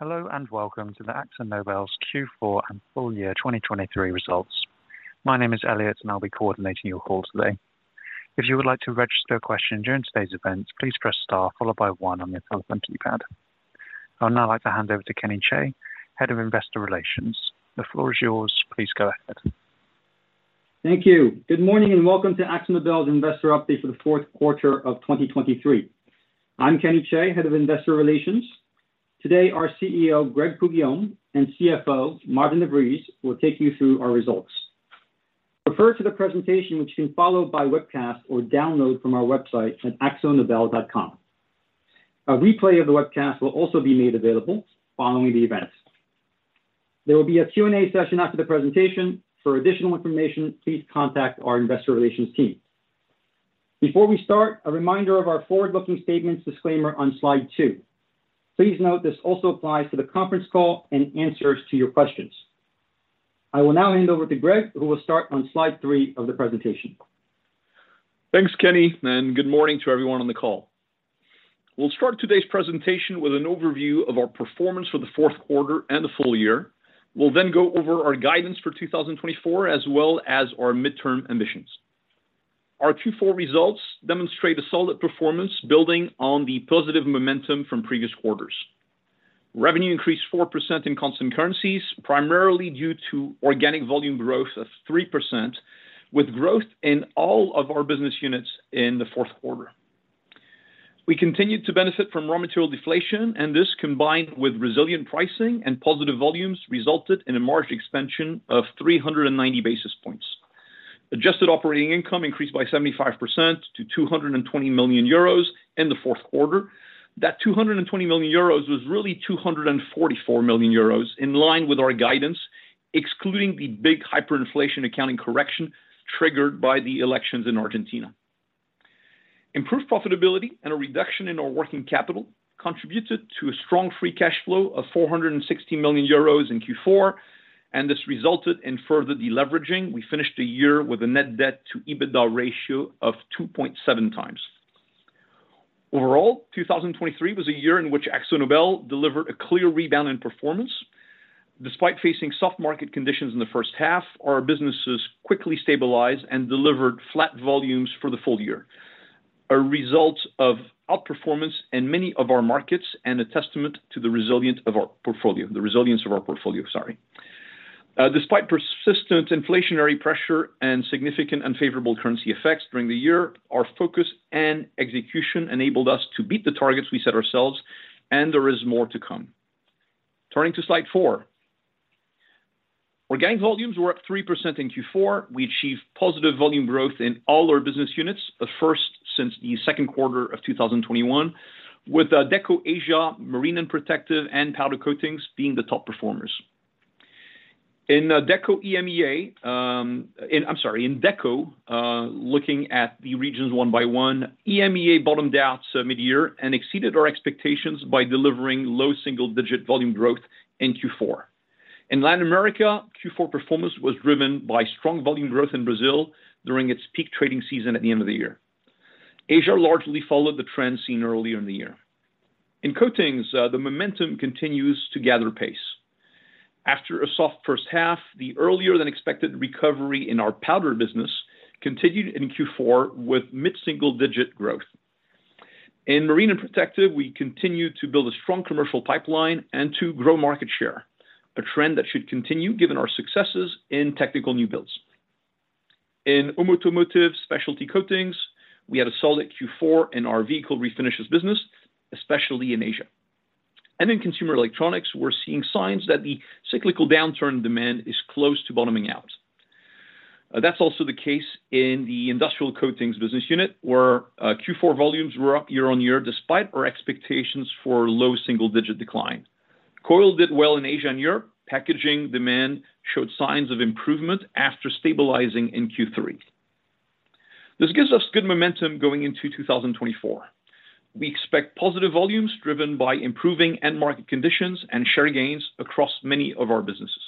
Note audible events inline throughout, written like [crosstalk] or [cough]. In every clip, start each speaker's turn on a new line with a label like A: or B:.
A: Hello, and welcome to the AkzoNobel Q4 and full year 2023 results. My name is Elliot, and I'll be coordinating your call today. If you would like to register a question during today's event, please press Star followed by one on your telephone keypad. I would now like to hand over to Kenny Chae, Head of Investor Relations. The floor is yours. Please go ahead.
B: Thank you. Good morning, and welcome to AkzoNobel's Investor Update for the fourth quarter of 2023. I'm Kenny Chae, Head of Investor Relations. Today, our CEO, Greg Poux-Guillaume, and CFO, Maarten de Vries, will take you through our results. Refer to the presentation, which can be followed by webcast or download from our website at akzonobel.com. A replay of the webcast will also be made available following the event. There will be a Q&A session after the presentation. For additional information, please contact our Investor Relations team. Before we start, a reminder of our forward-looking statements disclaimer on slide two. Please note this also applies to the conference call and answers to your questions. I will now hand over to Greg, who will start on slide three of the presentation.
C: Thanks, Kenny, and good morning to everyone on the call. We'll start today's presentation with an overview of our performance for the fourth quarter and the full year. We'll then go over our guidance for 2024, as well as our midterm ambitions. Our Q4 results demonstrate a solid performance, building on the positive momentum from previous quarters. Revenue increased 4% in constant currencies, primarily due to organic volume growth of 3%, with growth in all of our business units in the fourth quarter. We continued to benefit from raw material deflation, and this, combined with resilient pricing and positive volumes, resulted in a margin expansion of 390 basis points. Adjusted operating income increased by 75% to 220 million euros in the fourth quarter. That 220 million euros was really 244 million euros, in line with our guidance, excluding the big hyperinflation accounting correction triggered by the elections in Argentina. Improved profitability and a reduction in our working capital contributed to a strong free cash flow of 460 million euros in Q4, and this resulted in further deleveraging. We finished the year with a net debt to EBITDA ratio of 2.7x. Overall, 2023 was a year in which AkzoNobel delivered a clear rebound in performance. Despite facing soft market conditions in the first half, our businesses quickly stabilized and delivered flat volumes for the full year, a result of outperformance in many of our markets and a testament to the resilience of our portfolio, the resilience of our portfolio, sorry. Despite persistent inflationary pressure and significant unfavorable currency effects during the year, our focus and execution enabled us to beat the targets we set ourselves, and there is more to come. Turning to Slide four. Organic volumes were up 3% in Q4. We achieved positive volume growth in all our business units, a first since the second quarter of 2021, with Deco Asia, Marine and Protective, and Powder Coatings being the top performers. In Deco EMEA, I'm sorry, in Deco, looking at the regions one by one, EMEA bottomed out mid-year and exceeded our expectations by delivering low single-digit volume growth in Q4. In Latin America, Q4 performance was driven by strong volume growth in Brazil during its peak trading season at the end of the year. Asia largely followed the trend seen earlier in the year. In Coatings, the momentum continues to gather pace. After a soft first half, the earlier-than-expected recovery in our powder business continued in Q4 with mid-single-digit growth. In Marine and Protective, we continued to build a strong commercial pipeline and to grow market share, a trend that should continue given our successes in technical new builds. In Automotive Specialty Coatings, we had a solid Q4 in our vehicle refinishes business, especially in Asia. In consumer electronics, we're seeing signs that the cyclical downturn in demand is close to bottoming out. That's also the case in the Industrial Coatings business unit, where Q4 volumes were up year-on-year, despite our expectations for low single-digit decline. Coil did well in Asia and Europe. Packaging demand showed signs of improvement after stabilizing in Q3. This gives us good momentum going into 2024. We expect positive volumes driven by improving end-market conditions and share gains across many of our businesses.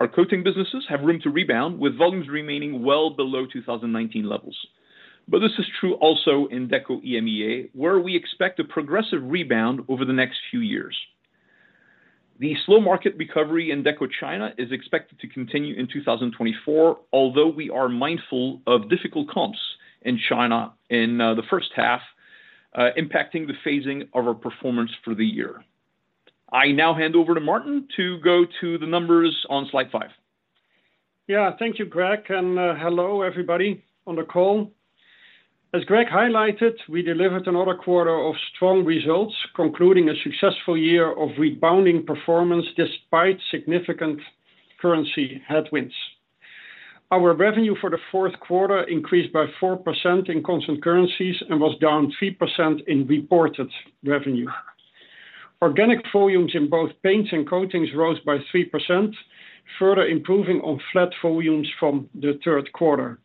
C: Our coating businesses have room to rebound, with volumes remaining well below 2019 levels. But this is true also in Deco EMEA, where we expect a progressive rebound over the next few years. The slow market recovery in Deco China is expected to continue in 2024, although we are mindful of difficult comps in China in the first half, impacting the phasing of our performance for the year. I now hand over to Maarten to go to the numbers on slide five.
D: Yeah. Thank you, Greg, and hello, everybody on the call. As Greg highlighted, we delivered another quarter of strong results, concluding a successful year of rebounding performance despite significant currency headwinds. Our revenue for the fourth quarter increased by 4% in constant currencies and was down 3% in reported revenue. Organic volumes in both paints and coatings rose by 3%, further improving on flat volumes from the third quarter.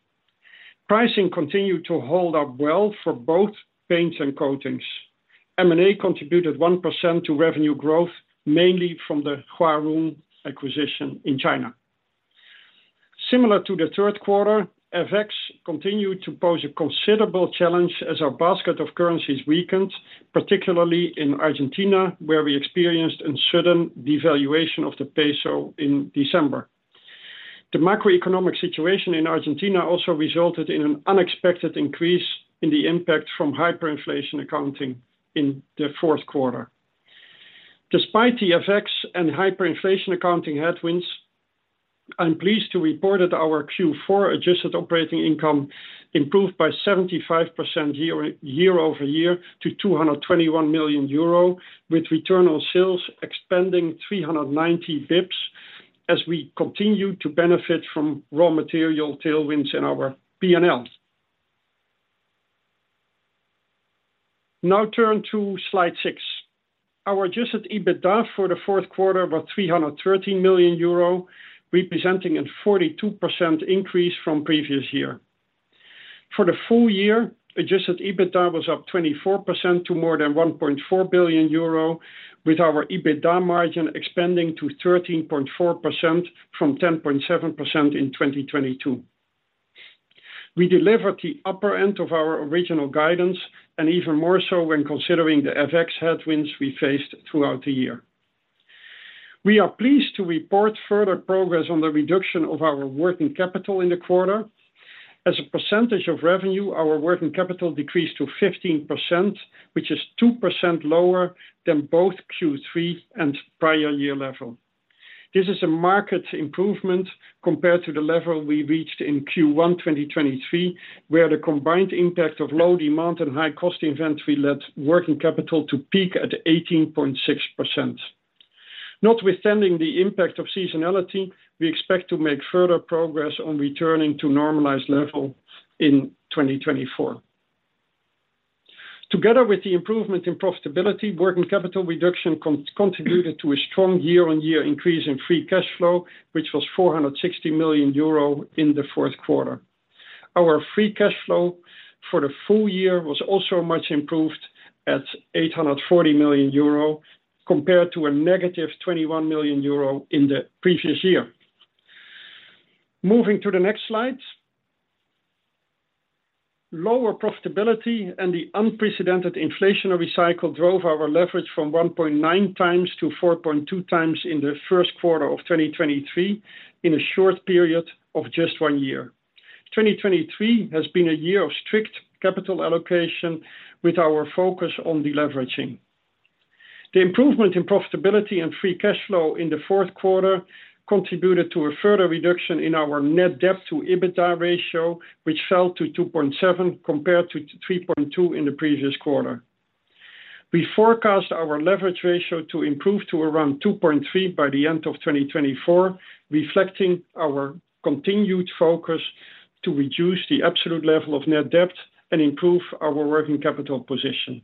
D: Pricing continued to hold up well for both paints and coatings. M&A contributed 1% to revenue growth, mainly from the Huarun acquisition in China. Similar to the third quarter, FX continued to pose a considerable challenge as our basket of currencies weakened, particularly in Argentina, where we experienced a sudden devaluation of the peso in December. The macroeconomic situation in Argentina also resulted in an unexpected increase in the impact from hyperinflation accounting in the fourth quarter. Despite the FX and hyperinflation accounting headwinds, I'm pleased to report that our Q4 adjusted operating income improved by 75% year-over-year to 221 million euro, with return on sales expanding 390 basis points, as we continue to benefit from raw material tailwinds in our P&L. Now turn to slide six. Our adjusted EBITDA for the fourth quarter was 313 million euro, representing a 42% increase from previous year. For the full year, adjusted EBITDA was up 24% to more than 1.4 billion euro, with our EBITDA margin expanding to 13.4% from 10.7% in 2022. We delivered the upper end of our original guidance, and even more so when considering the FX headwinds we faced throughout the year. We are pleased to report further progress on the reduction of our working capital in the quarter. As a percentage of revenue, our working capital decreased to 15%, which is 2% lower than both Q3 and prior year level. This is a marked improvement compared to the level we reached in Q1 2023, where the combined impact of low demand and high cost inventory led working capital to peak at 18.6%. Notwithstanding the impact of seasonality, we expect to make further progress on returning to normalized level in 2024. Together with the improvement in profitability, working capital reduction contributed to a strong year-on-year increase in free cash flow, which was 460 million euro in the fourth quarter. Our free cash flow for the full year was also much improved at 840 million euro, compared to -21 million euro in the previous year. Moving to the next slide. Lower profitability and the unprecedented inflationary cycle drove our leverage from 1.9x to 4.2x in the first quarter of 2023, in a short period of just one year. 2023 has been a year of strict capital allocation, with our focus on deleveraging. The improvement in profitability and free cash flow in the fourth quarter contributed to a further reduction in our net debt to EBITDA ratio, which fell to 2.7, compared to 3.2 in the previous quarter. We forecast our leverage ratio to improve to around 2.3 by the end of 2024, reflecting our continued focus to reduce the absolute level of net debt and improve our working capital position.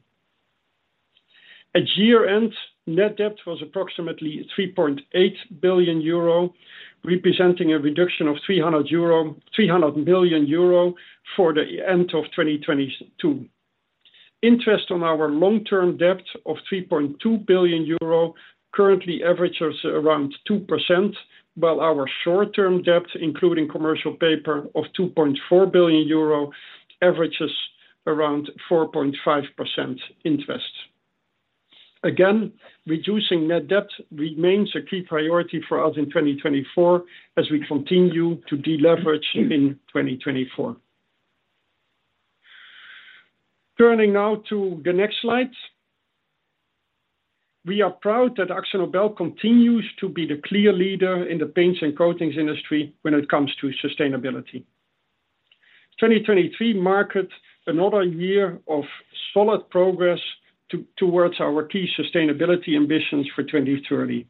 D: At year-end, net debt was approximately 3.8 billion euro, representing a reduction of 300 million euro for the end of 2022. Interest on our long-term debt of 3.2 billion euro currently averages around 2%, while our short-term debt, including commercial paper of 2.4 billion euro, averages around 4.5% interest. Again, reducing net debt remains a key priority for us in 2024 as we continue to deleverage in 2024. Turning now to the next slide. We are proud that AkzoNobel continues to be the clear leader in the paints and coatings industry when it comes to sustainability. 2023 marked another year of solid progress towards our key sustainability ambitions for 2030.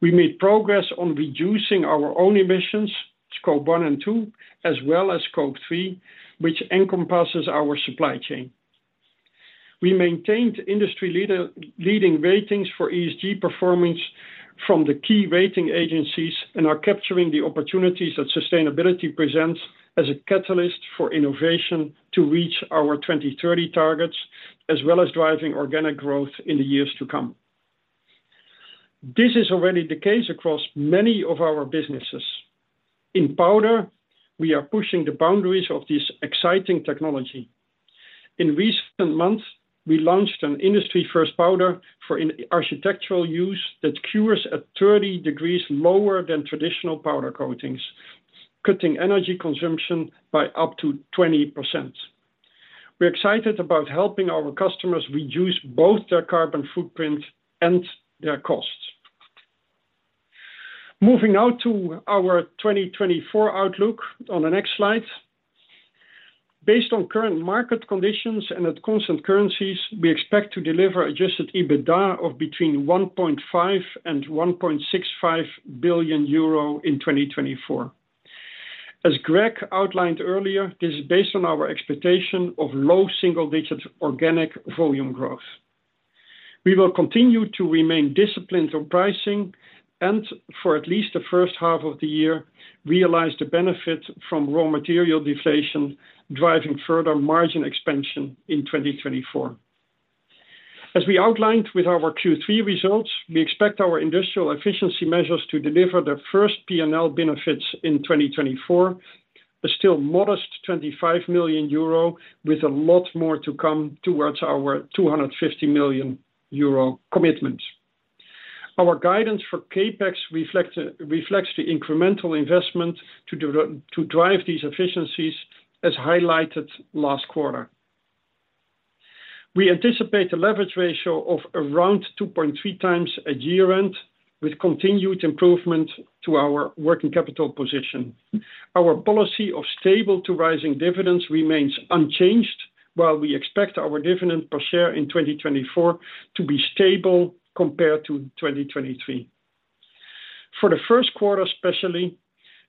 D: We made progress on reducing our own emissions, Scope 1 and 2, as well as Scope 3, which encompasses our supply chain. We maintained industry-leading ratings for ESG performance from the key rating agencies and are capturing the opportunities that sustainability presents as a catalyst for innovation to reach our 2030 targets, as well as driving organic growth in the years to come. This is already the case across many of our businesses. In powder, we are pushing the boundaries of this exciting technology. In recent months, we launched an industry-first powder for in architectural use that cures at 30 degrees lower than traditional powder coatings, cutting energy consumption by up to 20%. We're excited about helping our customers reduce both their carbon footprint and their costs. Moving now to our 2024 outlook on the next slide. Based on current market conditions and at constant currencies, we expect to deliver adjusted EBITDA of between 1.5 billion and 1.65 billion euro in 2024. As Greg outlined earlier, this is based on our expectation of low single-digit organic volume growth. We will continue to remain disciplined on pricing and, for at least the first half of the year, realize the benefit from raw material deflation, driving further margin expansion in 2024. As we outlined with our Q3 results, we expect our industrial efficiency measures to deliver the first P&L benefits in 2024, a still modest 25 million euro, with a lot more to come towards our 250 million euro commitment. Our guidance for CapEx reflects the incremental investment to drive these efficiencies, as highlighted last quarter. We anticipate a leverage ratio of around 2.3x at year-end, with continued improvement to our working capital position. Our policy of stable to rising dividends remains unchanged, while we expect our dividend per share in 2024 to be stable compared to 2023. For the first quarter, especially,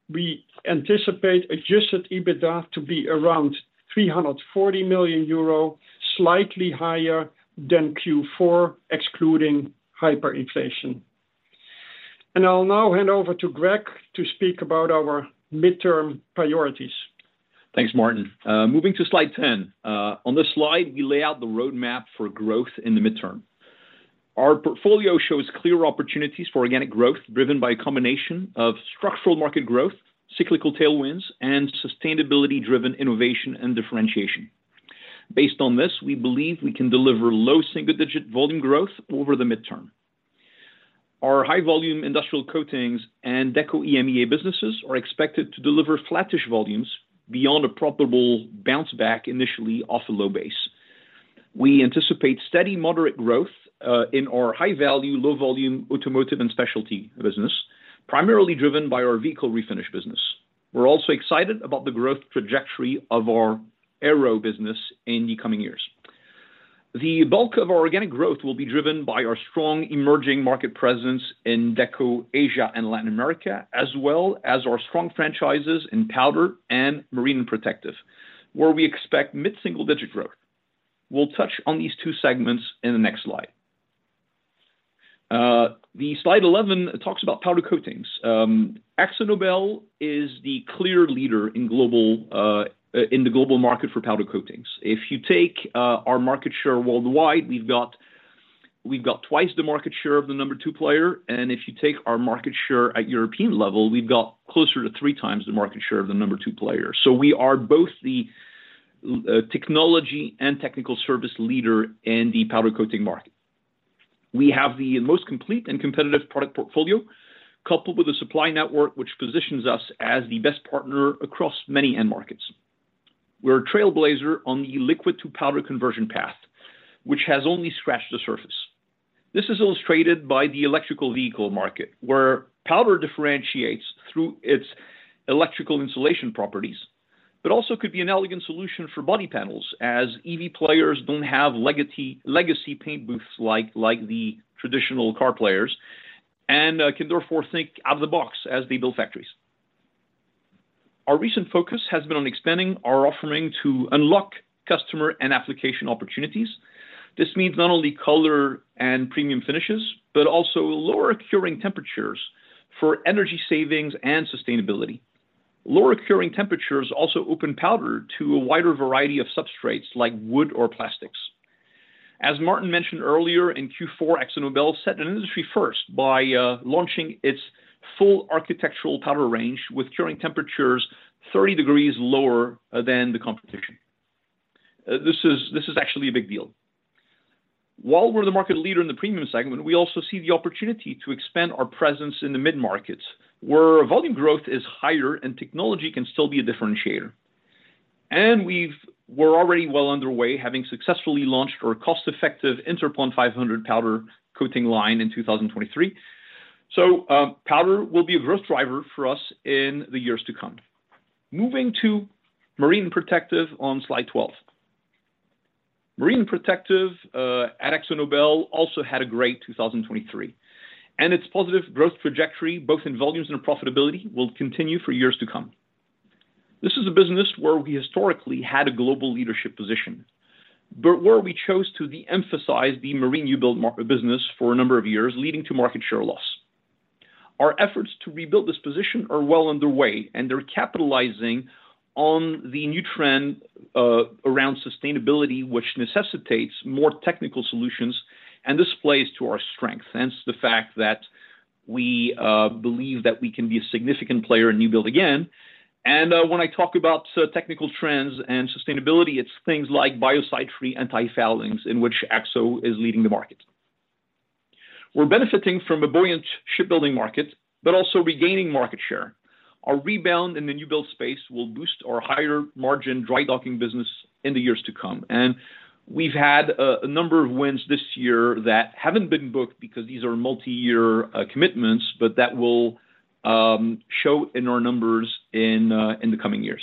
D: we anticipate Adjusted EBITDA to be around 340 million euro, slightly higher than Q4, excluding hyperinflation. I'll now hand over to Greg to speak about our midterm priorities.
C: Thanks, Maarten. Moving to slide 10. On this slide, we lay out the roadmap for growth in the midterm. Our portfolio shows clear opportunities for organic growth, driven by a combination of structural market growth, cyclical tailwinds, and sustainability-driven innovation and differentiation. Based on this, we believe we can deliver low single-digit volume growth over the midterm. Our high-volume industrial coatings and Deco EMEA businesses are expected to deliver flattish volumes beyond a probable bounce back, initially off a low base. We anticipate steady moderate growth in our high-value, low-volume automotive and specialty business, primarily driven by our vehicle refinish business. We're also excited about the growth trajectory of our aero business in the coming years. The bulk of our organic growth will be driven by our strong emerging market presence in Deco Asia and Latin America, as well as our strong franchises in Powder and Marine and Protective, where we expect mid-single-digit growth. We'll touch on these two segments in the next slide. The slide 11 talks about powder coatings. AkzoNobel is the clear leader in global, in the global market for powder coatings. If you take our market share worldwide, we've got, we've got twice the market share of the number two player, and if you take our market share at European level, we've got closer to 3x the market share of the number two player. So we are both the technology and technical service leader in the powder coating market. We have the most complete and competitive product portfolio, coupled with a supply network, which positions us as the best partner across many end markets. We're a trailblazer on the liquid-to-powder conversion path, which has only scratched the surface. This is illustrated by the electric vehicle market, where powder differentiates through its electrical insulation properties, but also could be an elegant solution for body panels, as EV players don't have legacy, legacy paint booths like, like the traditional car players, and can therefore think out of the box as they build factories. Our recent focus has been on expanding our offering to unlock customer and application opportunities. This means not only color and premium finishes, but also lower curing temperatures for energy savings and sustainability. Lower curing temperatures also open powder to a wider variety of substrates, like wood or plastics. As Maarten mentioned earlier, in Q4, AkzoNobel set an industry first by launching its full architectural powder range with curing temperatures 30 degrees lower than the competition. This is actually a big deal. While we're the market leader in the premium segment, we also see the opportunity to expand our presence in the mid-markets, where volume growth is higher and technology can still be a differentiator. And we're already well underway, having successfully launched our cost-effective Interpon 500 powder coating line in 2023. So, powder will be a growth driver for us in the years to come. Moving to Marine and Protective on slide 12. Marine and Protective at AkzoNobel also had a great 2023, and its positive growth trajectory, both in volumes and profitability, will continue for years to come. This is a business where we historically had a global leadership position, but where we chose to de-emphasize the Marine new build business for a number of years, leading to market share loss. Our efforts to rebuild this position are well underway, and they're capitalizing on the new trend around sustainability, which necessitates more technical solutions, and this plays to our strength, hence the fact that we believe that we can be a significant player in new build again. When I talk about technical trends and sustainability, it's things like biocide-free antifoulings, in which Akzo is leading the market. We're benefiting from a buoyant shipbuilding market, but also regaining market share. Our rebound in the new build space will boost our higher margin dry docking business in the years to come, and we've had a number of wins this year that haven't been booked because these are multi-year commitments, but that will show in our numbers in the coming years.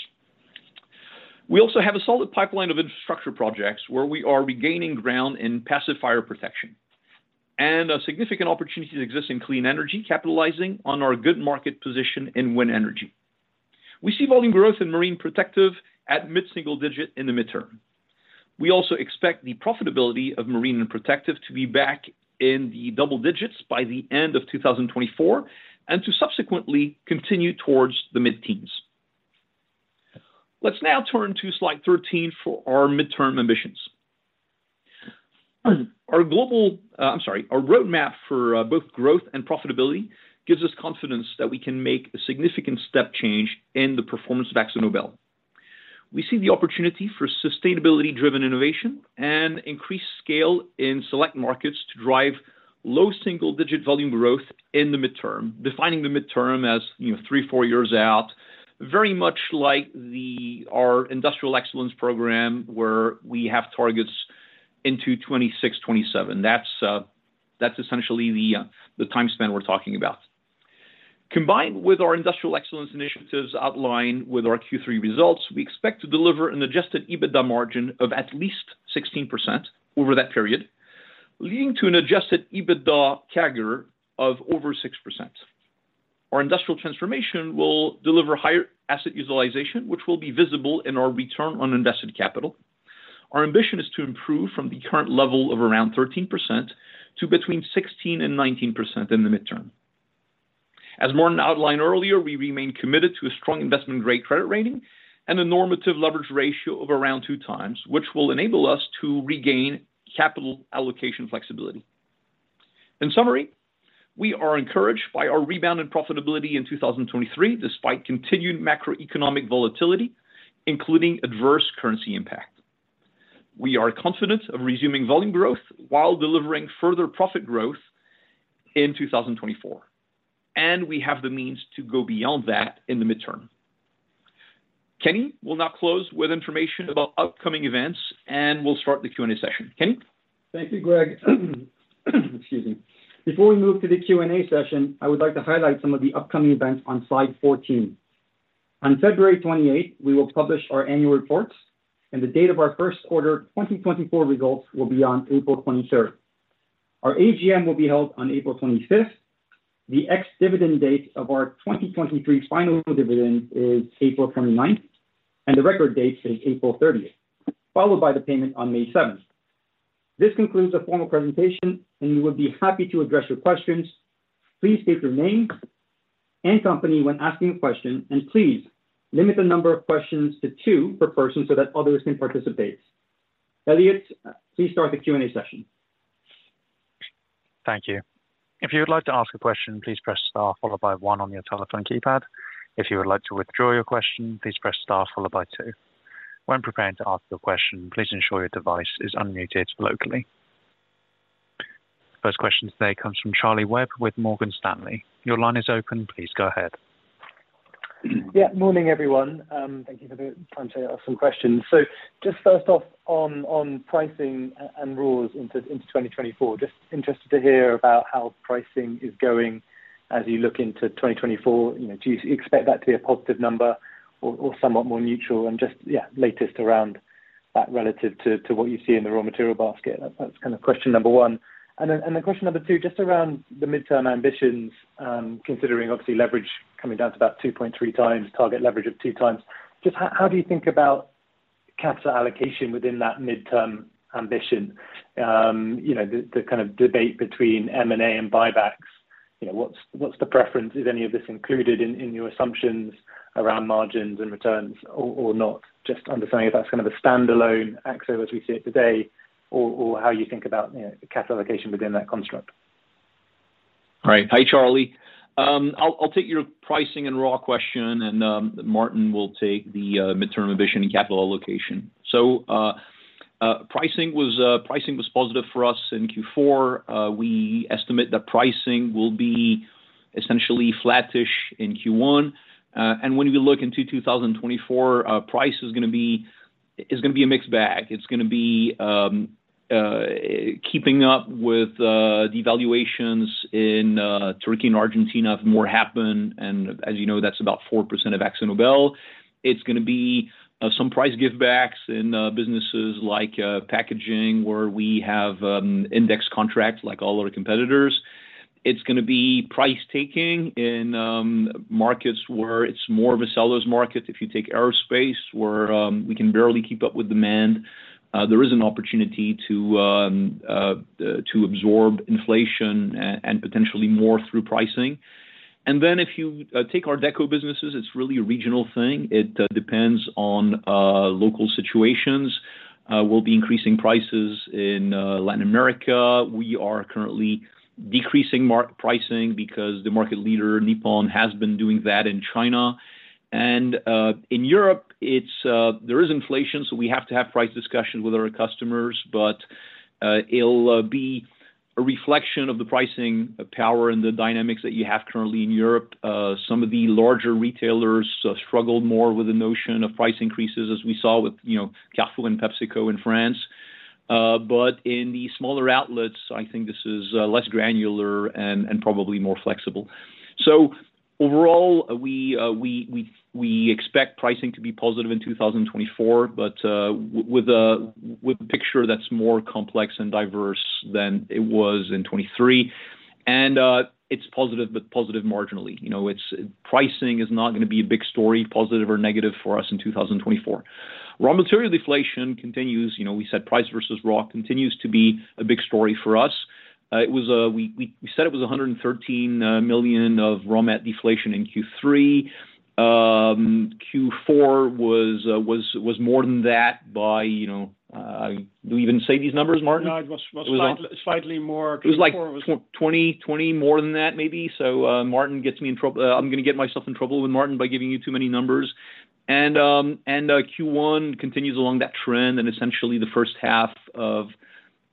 C: We also have a solid pipeline of infrastructure projects where we are regaining ground in passive fire protection, and significant opportunities exist in clean energy, capitalizing on our good market position in wind energy. We see volume growth in Marine and Protective at mid-single digit in the midterm. We also expect the profitability of Marine and Protective to be back in the double digits by the end of 2024, and to subsequently continue towards the mid-teens. Let's now turn to slide 13 for our midterm ambitions. Our global, I'm sorry, our roadmap for both growth and profitability gives us confidence that we can make a significant step change in the performance of AkzoNobel. We see the opportunity for sustainability-driven innovation and increased scale in select markets to drive low single-digit volume growth in the midterm, defining the midterm as, you know, three, four years out, very much like our industrial excellence program, where we have targets into 2026, 2027. That's, that's essentially the time span we're talking about. Combined with our industrial excellence initiatives outlined with our Q3 results, we expect to deliver an Adjusted EBITDA margin of at least 16% over that period, leading to an Adjusted EBITDA CAGR of over 6%. Our industrial transformation will deliver higher asset utilization, which will be visible in our return on invested capital. Our ambition is to improve from the current level of around 13% to between 16% and 19% in the midterm. As Maarten outlined earlier, we remain committed to a strong investment-grade credit rating and a normative leverage ratio of around 2x, which will enable us to regain capital allocation flexibility. In summary, we are encouraged by our rebounded profitability in 2023, despite continued macroeconomic volatility, including adverse currency impact. We are confident of resuming volume growth while delivering further profit growth in 2024, and we have the means to go beyond that in the midterm. Kenny will now close with information about upcoming events, and we'll start the Q&A session. Kenny?
B: Thank you, Greg. Excuse me. Before we move to the Q&A session, I would like to highlight some of the upcoming events on slide 14. On February 28, we will publish our annual reports, and the date of our first quarter 2024 results will be on April 23rd. Our AGM will be held on April 25th. The ex-dividend date of our 2023 final dividend is April 29th, and the record date is April 30, followed by the payment on May 7th. This concludes the formal presentation, and we will be happy to address your questions. Please state your name and company when asking a question, and please limit the number of questions to two per person so that others can participate. Elliot, please start the Q&A session.
A: Thank you. If you would like to ask a question, please press star followed by one on your telephone keypad. If you would like to withdraw your question, please press star followed by two. When preparing to ask your question, please ensure your device is unmuted locally. First question today comes from Charlie Webb with Morgan Stanley. Your line is open. Please go ahead.
E: Yeah, morning, everyone. Thank you for the time to ask some questions. So just first off on, on pricing and raws into, into 2024. Just interested to hear about how pricing is going as you look into 2024. You know, do you expect that to be a positive number or, or somewhat more neutral? And just, yeah, latest around that relative to, to what you see in the raw material basket. That's kind of question number one. And then, and then question number two, just around the midterm ambitions, considering obviously leverage coming down to about 2.3x, target leverage of 2x, just how, how do you think about capital allocation within that midterm ambition? You know, the, the kind of debate between M&A and buybacks, you know, what's, what's the preference? Is any of this included in your assumptions around margins and returns or not? Just understanding if that's kind of a standalone Akzo as we see it today, or how you think about, you know, capital allocation within that construct.
C: Right. Hi, Charlie. I'll take your pricing and raw question, and Maarten will take the midterm ambition and capital allocation. Pricing was positive for us in Q4. We estimate that pricing will be essentially flattish in Q1. When we look into 2024, price is gonna be a mixed bag. It's gonna be keeping up with the valuations in Turkey and Argentina if more happen, and as you know, that's about 4% of AkzoNobel. It's gonna be some price givebacks in businesses like packaging, where we have index contracts, like all our competitors. It's gonna be price taking in markets where it's more of a seller's market. If you take aerospace, where we can barely keep up with demand, there is an opportunity to absorb inflation and potentially more through pricing. And then if you take our Deco businesses, it's really a regional thing. It depends on local situations. We'll be increasing prices in Latin America. We are currently decreasing market pricing because the market leader, Nippon, has been doing that in China. And in Europe, it's, there is inflation, so we have to have price discussions with our customers, but it'll be a reflection of the pricing power and the dynamics that you have currently in Europe. Some of the larger retailers struggled more with the notion of price increases, as we saw with, you know, Carrefour and PepsiCo in France. In the smaller outlets, I think this is less granular and and probably more flexible. So overall, we expect pricing to be positive in 2024, but with a picture that's more complex and diverse than it was in 2023. And it's positive, but positive marginally. You know, it's pricing is not gonna be a big story, positive or negative, for us in 2024. Raw material deflation continues. You know, we said price versus raw continues to be a big story for us. It was, we said it was 113 million of raw mat deflation in Q3. Q4 was more than that by, you know, do we even say these numbers, Maarten? [crosstalk]
D: No, it was slightly more- [crosstalk]
C: It was like 20, 20 more than that, maybe. So, Maarten gets me in trouble. I'm gonna get myself in trouble with Maarten by giving you too many numbers. And Q1 continues along that trend, and essentially the first half of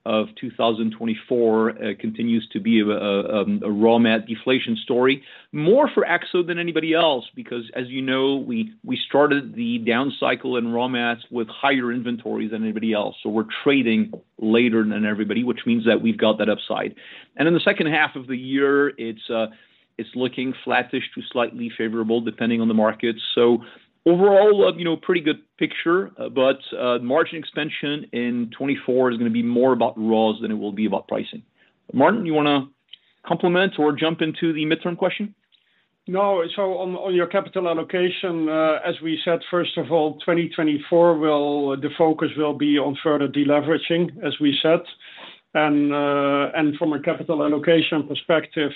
C: 2024 continues to be a raw mat deflation story. More for Akzo than anybody else, because as you know, we started the down cycle in raw mats with higher inventories than anybody else. So we're trading later than everybody, which means that we've got that upside. And in the second half of the year, it's looking flattish to slightly favorable, depending on the market. So overall, you know, pretty good picture, but margin expansion in 2024 is gonna be more about raws than it will be about pricing. Maarten, you want to comment or jump into the midterm question?
D: No. So on your capital allocation, as we said, first of all, 2024 will. The focus will be on further deleveraging, as we said. And from a capital allocation perspective,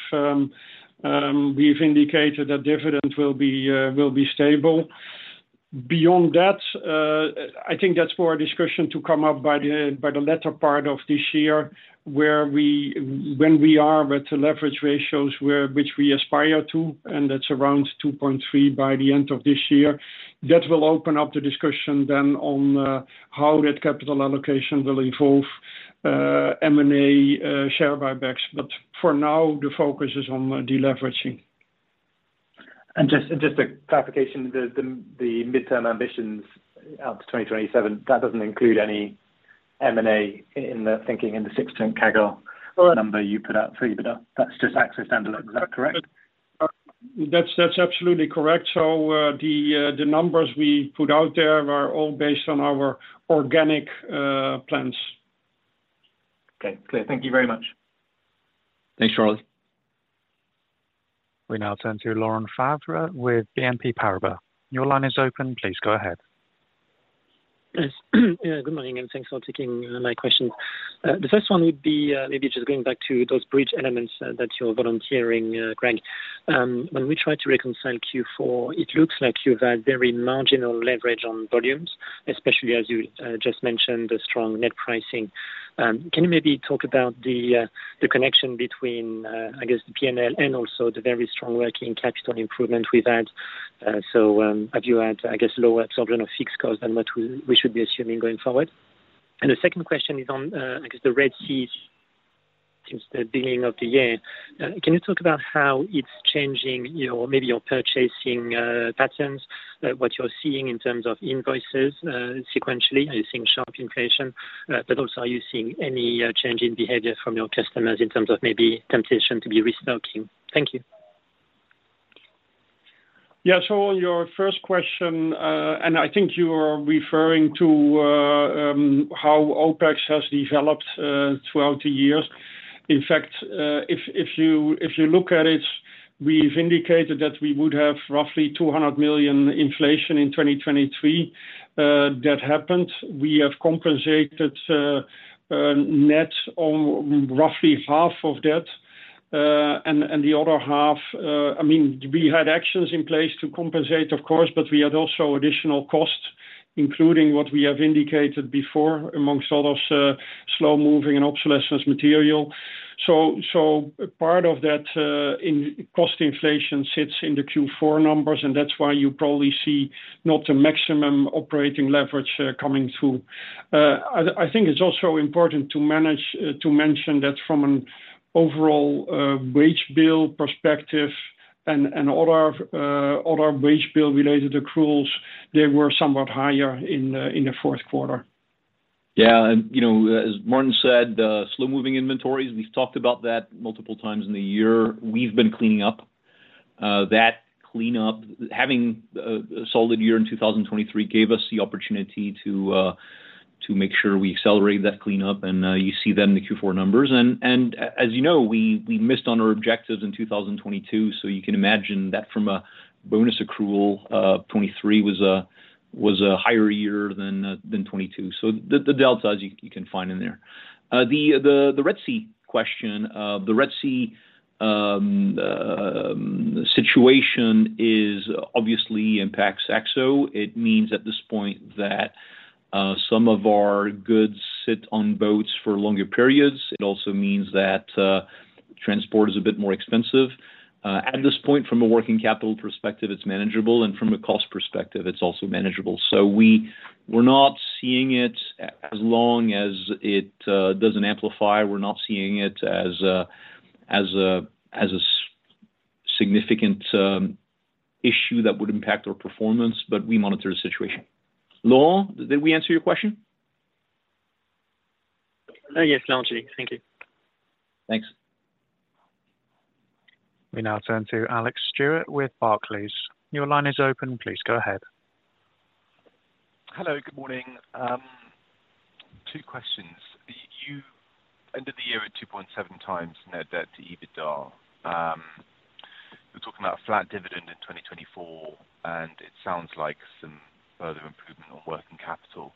D: we've indicated that dividend will be stable. Beyond that, I think that's for a discussion to come up by the latter part of this year, where we, when we are at the leverage ratios which we aspire to, and that's around 2.3 by the end of this year. That will open up the discussion then on how that capital allocation will evolve, M&A, share buybacks, but for now, the focus is on deleveraging.
E: Just a clarification, the midterm ambitions out to 2027, that doesn't include any M&A in the thinking, in the 6-10 CAGR number you put out for EBITDA. That's just AkzoNobel's, is that correct?
D: That's, that's absolutely correct. So, the numbers we put out there are all based on our organic plans.
E: Okay, clear. Thank you very much.
C: Thanks, Charlie.
A: We now turn to Laurent Favre with BNP Paribas. Your line is open. Please go ahead.
F: Yes. Good morning, and thanks for taking my question. The first one would be, maybe just going back to those bridge elements that you're volunteering, Greg. When we try to reconcile Q4, it looks like you've had very marginal leverage on volumes, especially as you just mentioned, the strong net pricing. Can you maybe talk about the connection between, I guess, the P&L and also the very strong working capital improvement we've had? Have you had, I guess, lower absorption of fixed costs than what we should be assuming going forward? And the second question is on, I guess, the Red Sea since the beginning of the year. Can you talk about how it's changing your, maybe your purchasing patterns, what you're seeing in terms of invoices, sequentially? Are you seeing sharp inflation? But also, are you seeing any change in behavior from your customers in terms of maybe temptation to be restocking? Thank you.
D: Yeah, so on your first question, and I think you are referring to, how OpEx has developed, throughout the years. In fact, if you look at it, we've indicated that we would have roughly 2 million inflation in 2023. That happened. We have compensated, net on roughly half of that, and the other half. I mean, we had actions in place to compensate, of course, but we had also additional costs, including what we have indicated before, amongst all those, slow-moving and obsolescence material. So part of that, in cost inflation sits in the Q4 numbers, and that's why you probably see not a maximum operating leverage, coming through. I think it's also important to mention that from an overall wage bill perspective and all our wage bill related accruals, they were somewhat higher in the fourth quarter.
C: Yeah, and, you know, as Maarten said, slow-moving inventories, we've talked about that multiple times in the year. We've been cleaning up. That cleanup, having a solid year in 2023, gave us the opportunity to make sure we accelerate that cleanup, and you see that in the Q4 numbers. And, and as you know, we missed on our objectives in 2022, so you can imagine that from a bonus accrual, 2023 was a higher year than 2022. So the delta, as you can find in there. The Red Sea question. The Red Sea situation is obviously impacts Akzo. It means at this point that some of our goods sit on boats for longer periods. It also means that transport is a bit more expensive. At this point, from a working capital perspective, it's manageable, and from a cost perspective, it's also manageable. So we're not seeing it, as long as it doesn't amplify, we're not seeing it as a significant issue that would impact our performance, but we monitor the situation. Laur, did we answer your question?
F: Yes, largely. Thank you.
C: Thanks.
A: We now turn to Alex Stewart with Barclays. Your line is open, please go ahead.
G: Hello, good morning. Two questions. You ended the year at 2.7x net debt to EBITDA. We're talking about a flat dividend in 2024, and it sounds like some further improvement on working capital.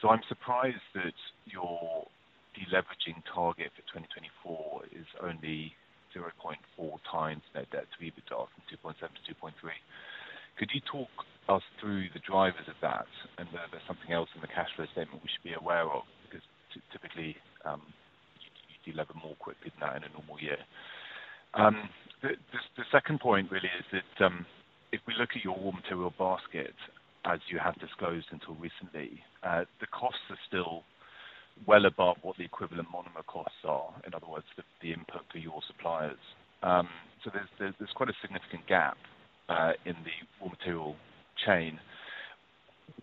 G: So I'm surprised that your deleveraging target for 2024 is only 0.4x net debt to EBITDA, from 2.7 to 2.3. Could you talk us through the drivers of that and whether there's something else in the cash flow statement we should be aware of? Because typically, you deliver more quickly than that in a normal year. The second point really is that, if we look at your raw material basket, as you have disclosed until recently, the costs are still well above what the equivalent monomer costs are, in other words, the input to your suppliers. So there's quite a significant gap in the raw material chain.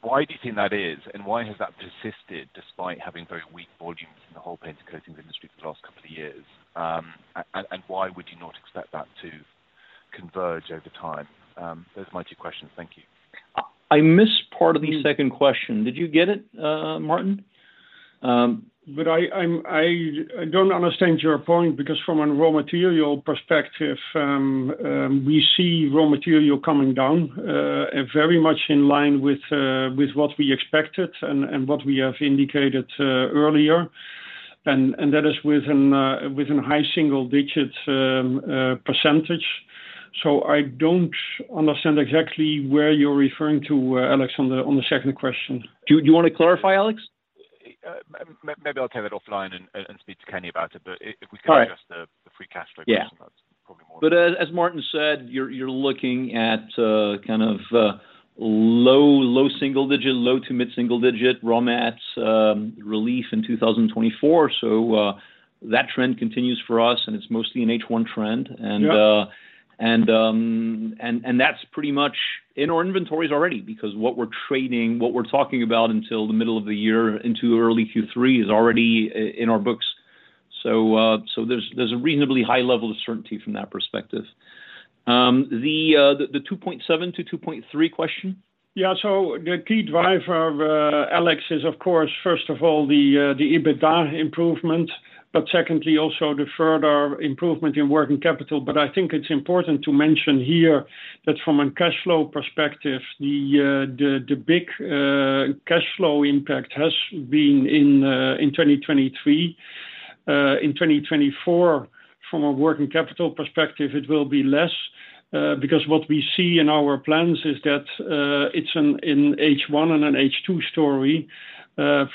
G: Why do you think that is, and why has that persisted despite having very weak volumes in the whole paint and coatings industry for the last couple of years? And why would you not expect that to converge over time? Those are my two questions. Thank you.
C: I missed part of the second question. Did you get it, Maarten?
D: I don't understand your point, because from a raw material perspective, we see raw material coming down, and very much in line with what we expected and that is within high single digits percentage. So I don't understand exactly where you're referring to, Alex, on the second question.
C: Do you want to clarify, Alex?
G: Maybe I'll take that offline and speak to Kenny about it, but if we can address the free cash flow question, that's probably more [crosstalk]
C: But as Maarten said, you're looking at kind of low single-digit, low- to mid-single-digit raw mats relief in 2024. So, that trend continues for us, and it's mostly an H1 trend.
D: Yeah.
C: That's pretty much in our inventories already because what we're trading, what we're talking about until the middle of the year into early Q3 is already in our books. So there's a reasonably high level of certainty from that perspective. The 2.7-2.3 question?
D: Yeah. So the key driver, Alex, is of course, first of all, the EBITDA improvement, but secondly, also the further improvement in working capital. But I think it's important to mention here that from a cash flow perspective, the big cash flow impact has been in 2023. In 2024, from a working capital perspective, it will be less, because what we see in our plans is that it's an H1 and an H2 story.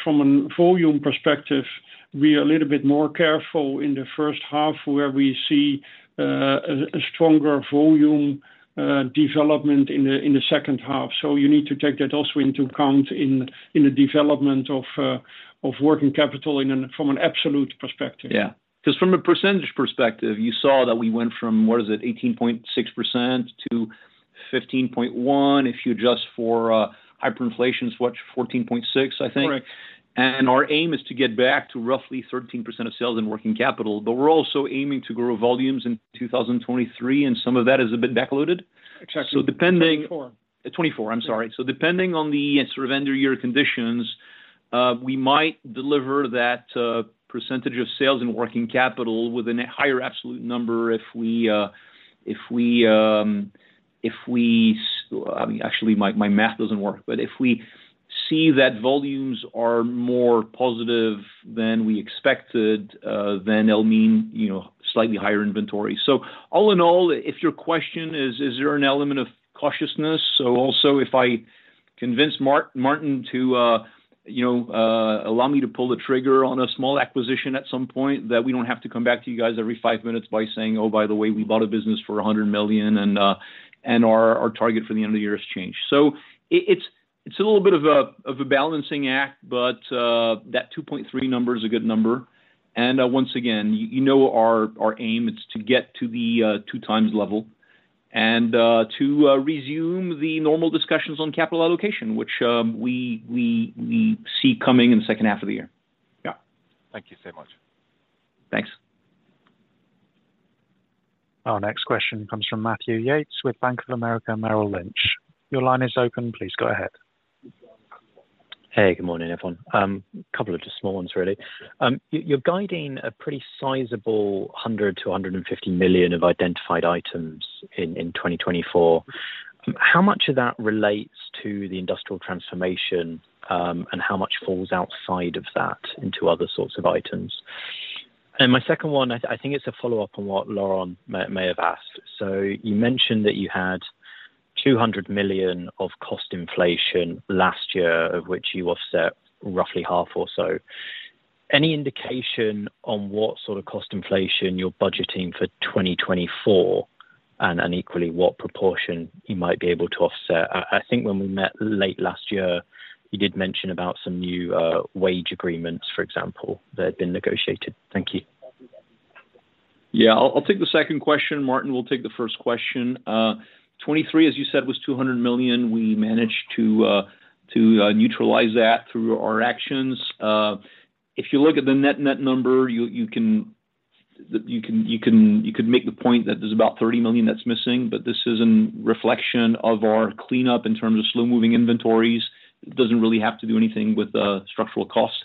D: From a volume perspective, we are a little bit more careful in the first half, where we see a stronger volume development in the second half. So you need to take that also into account in the development of working capital from an absolute perspective.
C: Yeah, 'cause from a percentage perspective, you saw that we went from, what is it? 18.6% to 15.1%. If you adjust for hyperinflation, it's what? 14.6%, I think.
D: Right.
C: Our aim is to get back to roughly 13% of sales and working capital, but we're also aiming to grow volumes in 2023, and some of that is a bit backloaded.
D: Exactly.
C: So depending-
D: 24.
C: 24, I'm sorry. So depending on the sort of end of year conditions, we might deliver that percentage of sales and working capital with a higher absolute number if we, actually, my math doesn't work, but if we see that volumes are more positive than we expected, then it'll mean, you know, slightly higher inventory. So all in all, if your question is: Is there an element of cautiousness? Also, if I convince Maarten to, you know, allow me to pull the trigger on a small acquisition at some point, that we don't have to come back to you guys every five minutes by saying, "Oh, by the way, we bought a business for 100 million, and our target for the end of the year has changed." So it's a little bit of a balancing act, but that 2.3 number is a good number. And once again, you know our aim is to get to the 2x level and to resume the normal discussions on capital allocation, which we see coming in the second half of the year.
G: Yeah. Thank you so much.
C: Thanks.
A: Our next question comes from Matthew Yates with Bank of America Merrill Lynch. Your line is open. Please go ahead.
H: Hey, good morning, everyone. Couple of just small ones, really. You're guiding a pretty sizable 100 million-150 million of Identified Items in 2024. How much of that relates to the industrial transformation, and how much falls outside of that into other sorts of items? My second one, I think it's a follow-up on what Laurent may have asked. You mentioned that you had 200 million of cost inflation last year, of which you offset roughly half or so. Any indication on what sort of cost inflation you're budgeting for 2024? And equally, what proportion you might be able to offset? I think when we met late last year, you did mention about some new wage agreements, for example, that had been negotiated. Thank you.
C: Yeah, I'll take the second question. Maarten will take the first question. 2023, as you said, was 200 million. We managed to neutralize that through our actions. If you look at the net number, you can make the point that there's about 30 million that's missing, but this is a reflection of our cleanup in terms of slow-moving inventories. It doesn't really have to do anything with structural costs.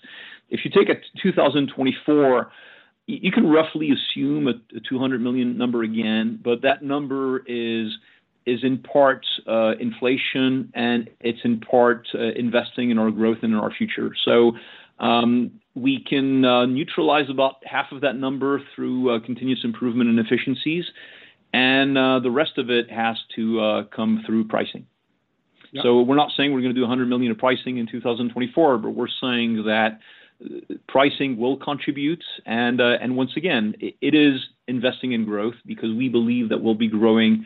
C: If you take 2024, you can roughly assume a 200 million number again, but that number is in part inflation, and it's in part investing in our growth and in our future. So, we can neutralize about half of that number through continuous improvement and efficiencies, and the rest of it has to come through pricing.
D: Yeah.
C: We're not saying we're going to do 100 million of pricing in 2024, but we're saying that pricing will contribute, and, and once again, it is investing in growth because we believe that we'll be growing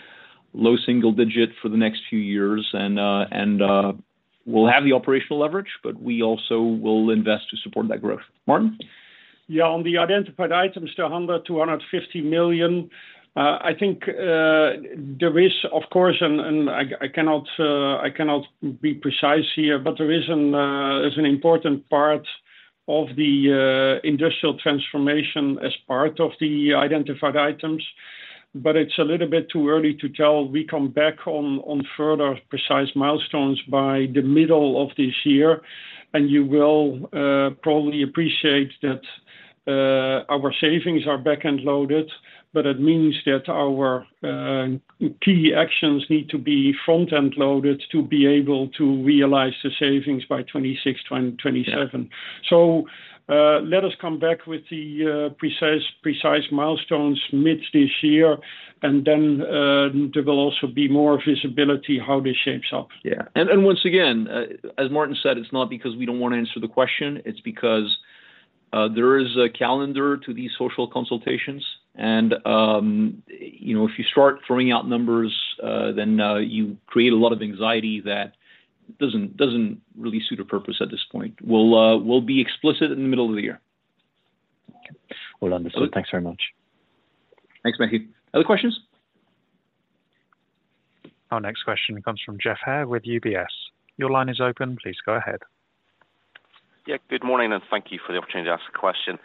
C: low single-digit for the next few years, and, and, we'll have the operational leverage, but we also will invest to support that growth. Maarten?
D: Yeah, on the identified items, the 100 million-150 million, I think, there is, of course, and I cannot be precise here, but there is an important part of the industrial transformation as part of the identified items, but it's a little bit too early to tell. We come back on further precise milestones by the middle of this year, and you will probably appreciate that our savings are back-end loaded, but it means that our key actions need to be front-end loaded to be able to realize the savings by 2026, 2027.
C: Yeah.
D: Let us come back with the precise, precise milestones mid this year, and then there will also be more visibility how this shapes up. Yeah.
C: Once again, as Maarten said, it's not because we don't want to answer the question, it's because there is a calendar to these social consultations, and you know, if you start throwing out numbers, then you create a lot of anxiety that doesn't really suit a purpose at this point. We'll be explicit in the middle of the year.
H: Well understood. Thanks very much.
C: Thanks, Matthew. Other questions?
A: Our next question comes from Geoff Haire with UBS. Your line is open, please go ahead.
I: Yeah, good morning, and thank you for the opportunity to ask a question.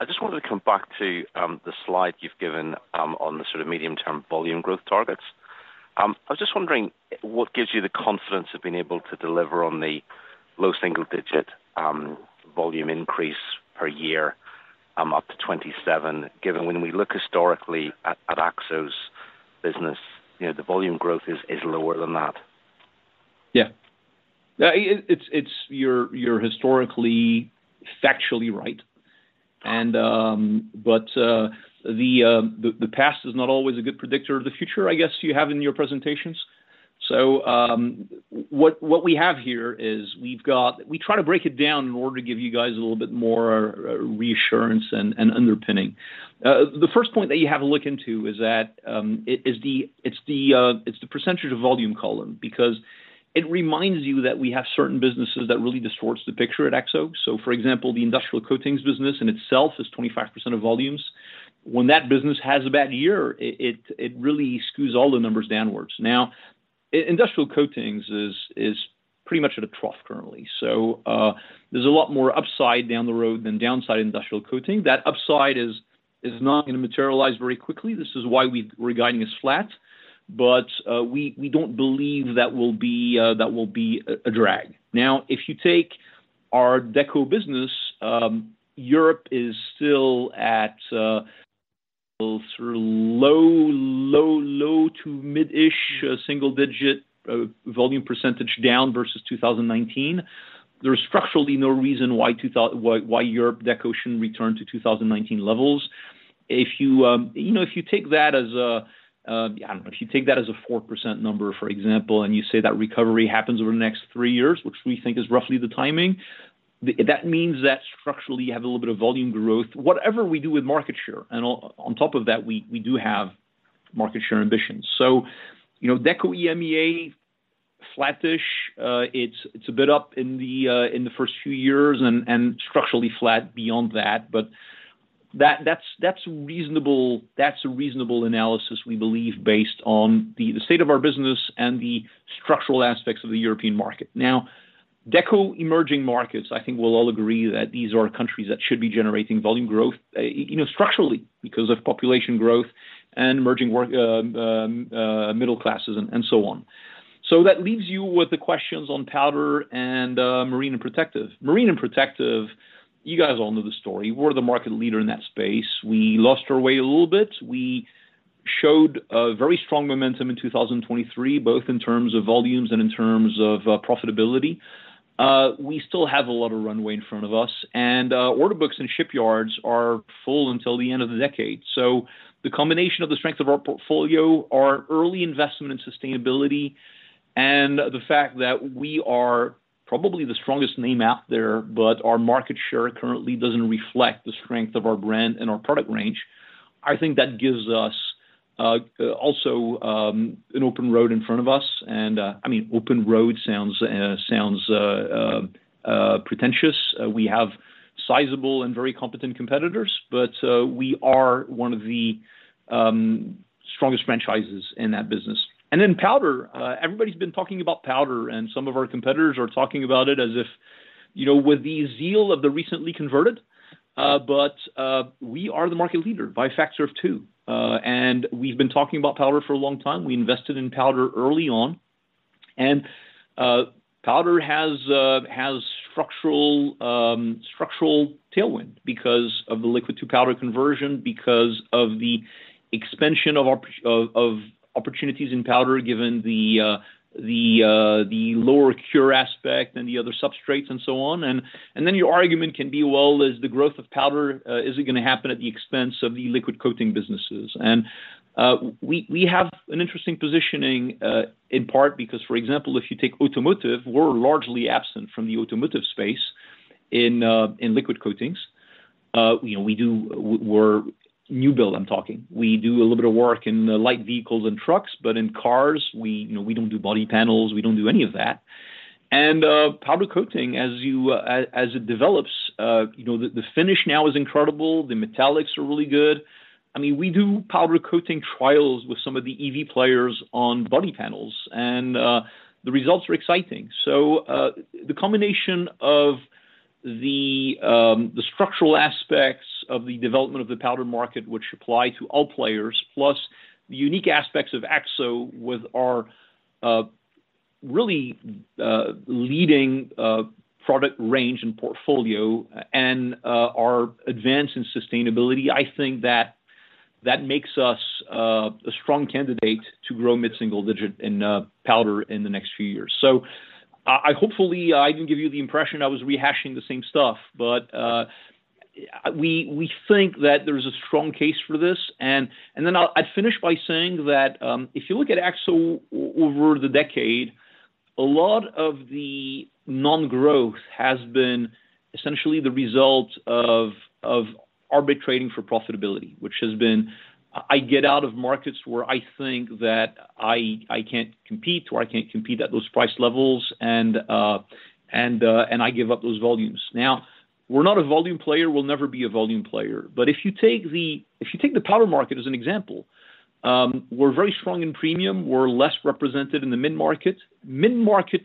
I: I just wanted to come back to the slide you've given on the sort of medium-term volume growth targets. I was just wondering, what gives you the confidence of being able to deliver on the low single digit volume increase per year up to 2027, given when we look historically at Akzo's business, you know, the volume growth is lower than that?
C: Yeah. It is... You are historically, factually right. But the past is not always a good predictor of the future, I guess, you have in your presentations. So what we have here is we try to break it down in order to give you guys a little bit more reassurance and underpinning. The first point that you have to look into is that it is the percentage of volume column, because it reminds you that we have certain businesses that really distorts the picture at Akzo. So, for example, the industrial coatings business in itself is 25% of volumes. When that business has a bad year, it really skews all the numbers downwards. Now, industrial coatings is pretty much at a trough currently, so, there's a lot more upside down the road than downside industrial coating. That upside is not going to materialize very quickly. This is why we're guiding as flat, but, we don't believe that will be a drag. Now, if you take our Deco business, Europe is still at through low to mid-ish single digit volume percentage down versus 2019. There is structurally no reason why Europe Deco shouldn't return to 2019 levels. If you, you know, if you take that as a, I don't know, if you take that as a 4% number, for example, and you say that recovery happens over the next three years, which we think is roughly the timing, that means that structurally, you have a little bit of volume growth, whatever we do with market share. And on, on top of that, we, we do have market share ambitions. So, you know, Deco EMEA, flattish, it's, it's a bit up in the, in the first few years and, and structurally flat beyond that. But that's, that's reasonable. That's a reasonable analysis, we believe, based on the, the state of our business and the structural aspects of the European market. Now, Deco emerging markets, I think we'll all agree that these are countries that should be generating volume growth, you know, structurally, because of population growth and emerging work, middle classes and, and so on. So that leaves you with the questions on powder Marine and Protective, you guys all know the story. We're the market leader in that space. We lost our way a little bit. We showed a very strong momentum in 2023, both in terms of volumes and in terms of, profitability. We still have a lot of runway in front of us, and, order books and shipyards are full until the end of the decade. The combination of the strength of our portfolio, our early investment in sustainability, and the fact that we are probably the strongest name out there, but our market share currently doesn't reflect the strength of our brand and our product range, I think that gives us also an open road in front of us. And I mean, open road sounds pretentious. We have sizable and very competent competitors, but we are one of the strongest franchises in that business. And then powder, everybody's been talking about powder, and some of our competitors are talking about it as if, you know, with the zeal of the recently converted, but we are the market leader by a factor of two. And we've been talking about powder for a long time. We invested in powder early on. And powder has structural tailwind because of the liquid to powder conversion, because of the expansion of opportunities in powder, given the lower cure aspect and the other substrates and so on. And then your argument can be, well, is the growth of powder, is it gonna happen at the expense of the liquid coating businesses? And we have an interesting positioning in part because, for example, if you take automotive, we're largely absent from the automotive space in liquid coatings. You know, we're new build, I'm talking. We do a little bit of work in light vehicles and trucks, but in cars, you know, we don't do body panels, we don't do any of that. Powder coating, as it develops, you know, the finish now is incredible. The metallics are really good. I mean, we do powder coating trials with some of the EV players on body panels, and the results are exciting. So, the combination of the structural aspects of the development of the powder market, which apply to all players, plus the unique aspects of Akzo with our really leading product range and portfolio and our advance in sustainability, I think that makes us a strong candidate to grow mid-single digit in powder in the next few years. So I hopefully can give you the impression I was rehashing the same stuff, but we think that there is a strong case for this. Then I'll finish by saying that, if you look at Akzo over the decade, a lot of the non-growth has been essentially the result of arbitrating for profitability, which has been I get out of markets where I think that I can't compete, or I can't compete at those price levels, and I give up those volumes. Now, we're not a volume player. We'll never be a volume player. But if you take the powder market as an example, we're very strong in premium. We're less represented in the mid-market. Mid-market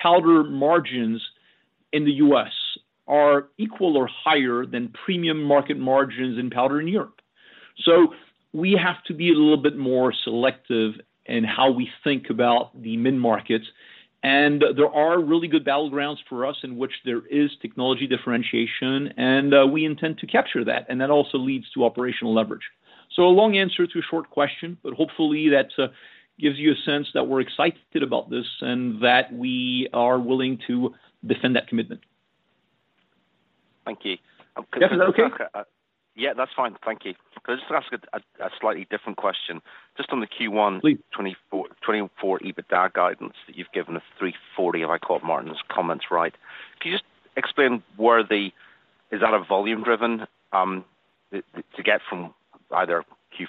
C: powder margins in the U.S. are equal or higher than premium market margins in powder in Europe. We have to be a little bit more selective in how we think about the mid-markets, and there are really good battlegrounds for us in which there is technology differentiation, and we intend to capture that, and that also leads to operational leverage. So a long answer to a short question, but hopefully that gives you a sense that we're excited about this and that we are willing to defend that commitment.
I: Thank you [crosstalk]
C: Geoff, is that okay?
I: Yeah, that's fine. Thank you. Can I just ask a slightly different question? Just on the Q1-
C: Please.
I: 2024, 2024 EBITDA guidance that you've given us, 340, if I caught Maarten's comments, right. Can you just explain where the... Is that a volume driven, to get from either Q,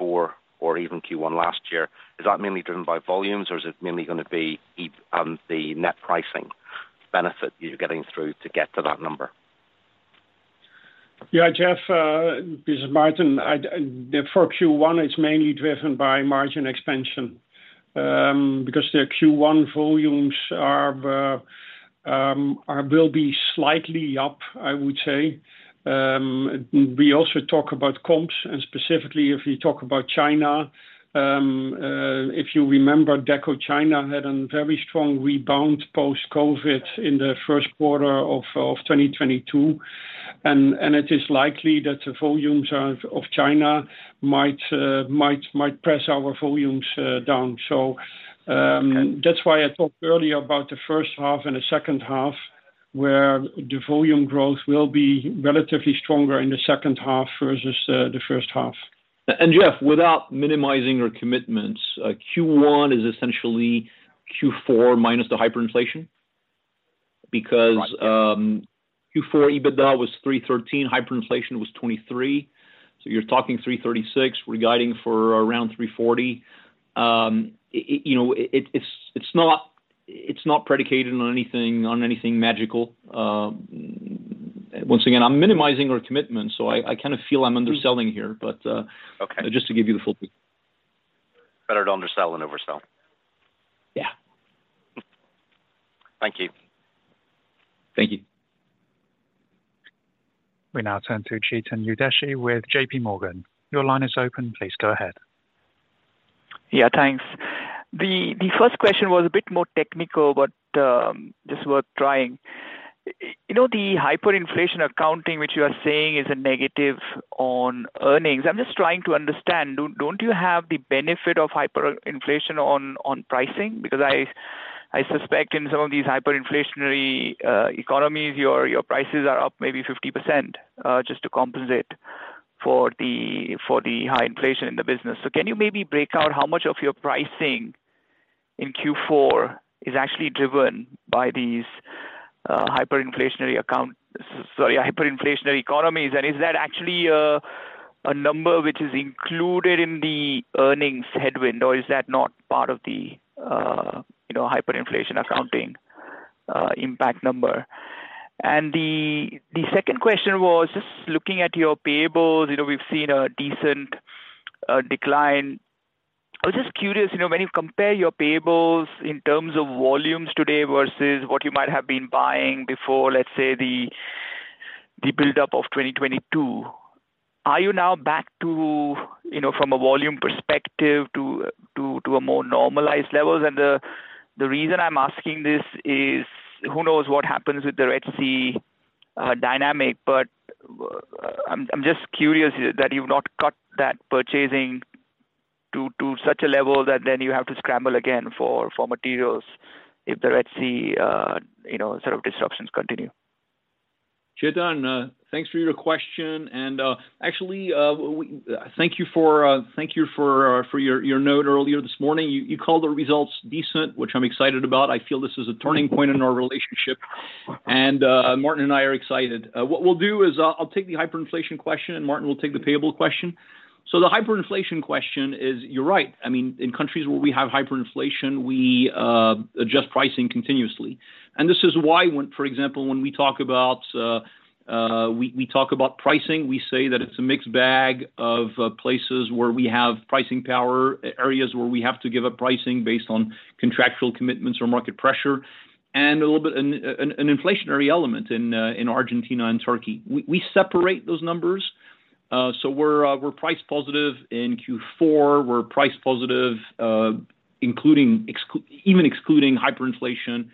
I: Q4 or even Q1 last year? Is that mainly driven by volumes, or is it mainly gonna be EV, the net pricing benefit you're getting through to get to that number?
D: Yeah, Geoff, this is Maarten. I for Q1, it's mainly driven by margin expansion, because the Q1 volumes are will be slightly up, I would say. We also talk about comps, and specifically if you talk about China, if you remember, Deco China had a very strong rebound post-COVID in the first quarter of 2022. And it is likely that the volumes of China might press our volumes down. So, that's why I talked earlier about the first half and the second half, where the volume growth will be relatively stronger in the second half versus the first half.
C: Geoff, without minimizing our commitments, Q1 is essentially Q4 minus the hyperinflation.
I: Right.
C: Because, Q4, EBITDA was 313, hyperinflation was 23. So you're talking 336, we're guiding for around 340. I, you know, it, it's not predicated on anything magical. Once again, I'm minimizing our commitment, so I kind of feel I'm underselling here, but
I: Okay.
C: Just to give you the full picture.
I: Better to undersell than oversell.
C: Yeah.
I: Thank you.
C: Thank you.
A: We now turn to Chetan Udeshi with JPMorgan. Your line is open. Please, go ahead.
J: Yeah, thanks. The first question was a bit more technical, but just worth trying. You know, the hyperinflation accounting, which you are saying is a negative on earnings, I'm just trying to understand, don't you have the benefit of hyperinflation on pricing? Because I suspect in some of these hyperinflationary economies, your prices are up maybe 50%, just to compensate for the high inflation in the business. So can you maybe break out how much of your pricing in Q4 is actually driven by these hyperinflationary economies? And is that actually a number which is included in the earnings headwind, or is that not part of the you know, hyperinflation accounting impact number? And the second question was just looking at your payables. You know, we've seen a decent decline. I was just curious, you know, when you compare your payables in terms of volumes today versus what you might have been buying before, let's say the, the build up of 2022, are you now back to, you know, from a volume perspective, to a more normalized level? And the reason I'm asking this is, who knows what happens with the Red Sea dynamic, but, I'm just curious that you've not cut that purchasing to such a level that then you have to scramble again for materials if the Red Sea, you know, sort of disruptions continue.
C: Chetan, thanks for your question, and actually, thank you for your note earlier this morning. You called the results decent, which I'm excited about. I feel this is a turning point in our relationship, and Maarten and I are excited. What we'll do is I'll take the hyperinflation question, and Maarten will take the payable question. So the hyperinflation question is, you're right. I mean, in countries where we have hyperinflation, we adjust pricing continuously. This is why when, for example, when we talk about pricing, we say that it's a mixed bag of places where we have pricing power, areas where we have to give up pricing based on contractual commitments or market pressure, and a little bit an inflationary element in Argentina and Turkey. We separate those numbers. So we're price positive in Q4. We're price positive, including even excluding hyperinflation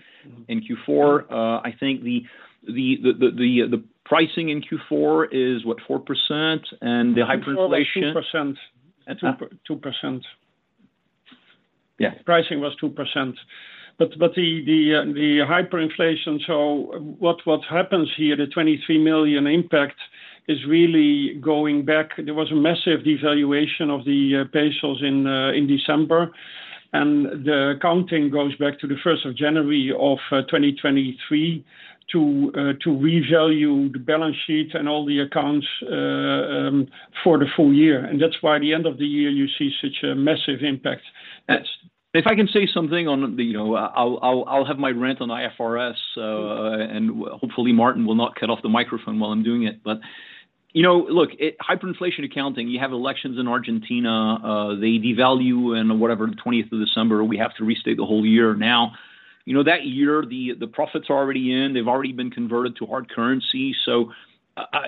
C: in Q4. I think the pricing in Q4 is, what, 4%, and the hyperinflation- [crosstalk]
D: Two percent.
C: Huh?
D: Two percent.
C: Yeah.
D: Pricing was 2%. But the hyperinflation, so what happens here, the 23 million impact is really going back. There was a massive devaluation of the pesos in December, and the accounting goes back to the first of January of 2023 to revalue the balance sheet and all the accounts for the full year. And that's why the end of the year you see such a massive impact.
C: Yes. If I can say something on the... You know, I'll have my rant on IFRS, and hopefully Maarten will not cut off the microphone while I'm doing it. But, you know, look, it, hyperinflation accounting, you have elections in Argentina, they devalue and whatever, the twentieth of December, we have to restate the whole year now. You know, that year, the profits are already in. They've already been converted to hard currency. So,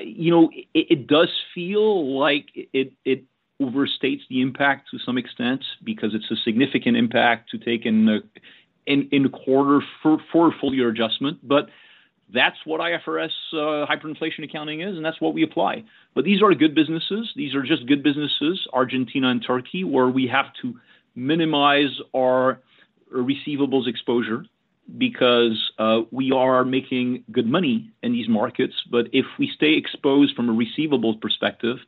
C: you know, it does feel like it overstates the impact to some extent, because it's a significant impact to take in a quarter for a full year adjustment. But that's what IFRS hyperinflation accounting is, and that's what we apply. But these are good businesses. These are just good businesses, Argentina and Turkey, where we have to minimize our receivables exposure because we are making good money in these markets. But if we stay exposed from a receivables perspective,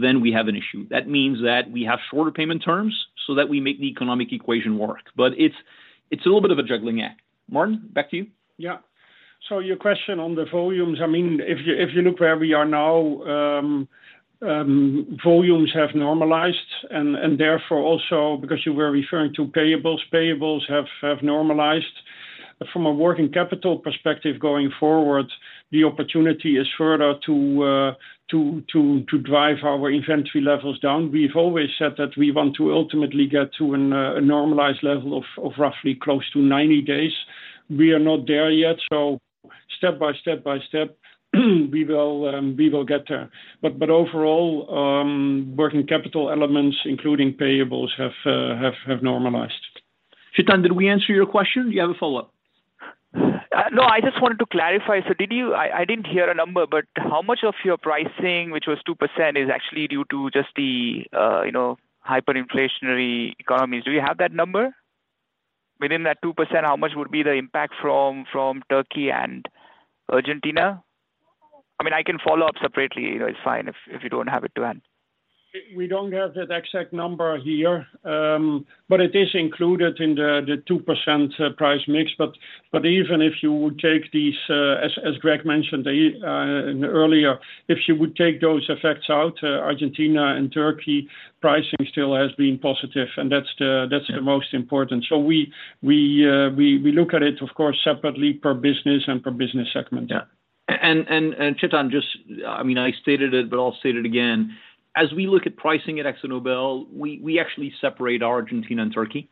C: then we have an issue. That means that we have shorter payment terms so that we make the economic equation work. But it's, it's a little bit of a juggling act. Maarten, back to you.
D: Yeah. So your question on the volumes, I mean, if you look where we are now, volumes have normalized, and therefore, also because you were referring to payables, payables have normalized. From a working capital perspective going forward, the opportunity is further to drive our inventory levels down. We've always said that we want to ultimately get to a normalized level of roughly close to 90 days. We are not there yet, so step by step by step, we will get there. But overall, working capital elements, including payables, have normalized.
C: Chetan, did we answer your question? Do you have a follow-up?
J: No, I just wanted to clarify. So did you... I didn't hear a number, but how much of your pricing, which was 2%, is actually due to just the, you know, hyperinflationary economies? Do you have that number? Within that 2%, how much would be the impact from Turkey and Argentina? I mean, I can follow up separately. It's fine if you don't have it to hand.
D: We don't have that exact number here, but it is included in the two percent price mix. But even if you would take these, as Greg mentioned earlier, if you would take those effects out, Argentina and Turkey, pricing still has been positive, and that's the most important. So we look at it, of course, separately per business and per business segment.
C: Yeah. And Chetan, just... I mean, I stated it, but I'll state it again. As we look at pricing at AkzoNobel, we actually separate Argentina and Turkey.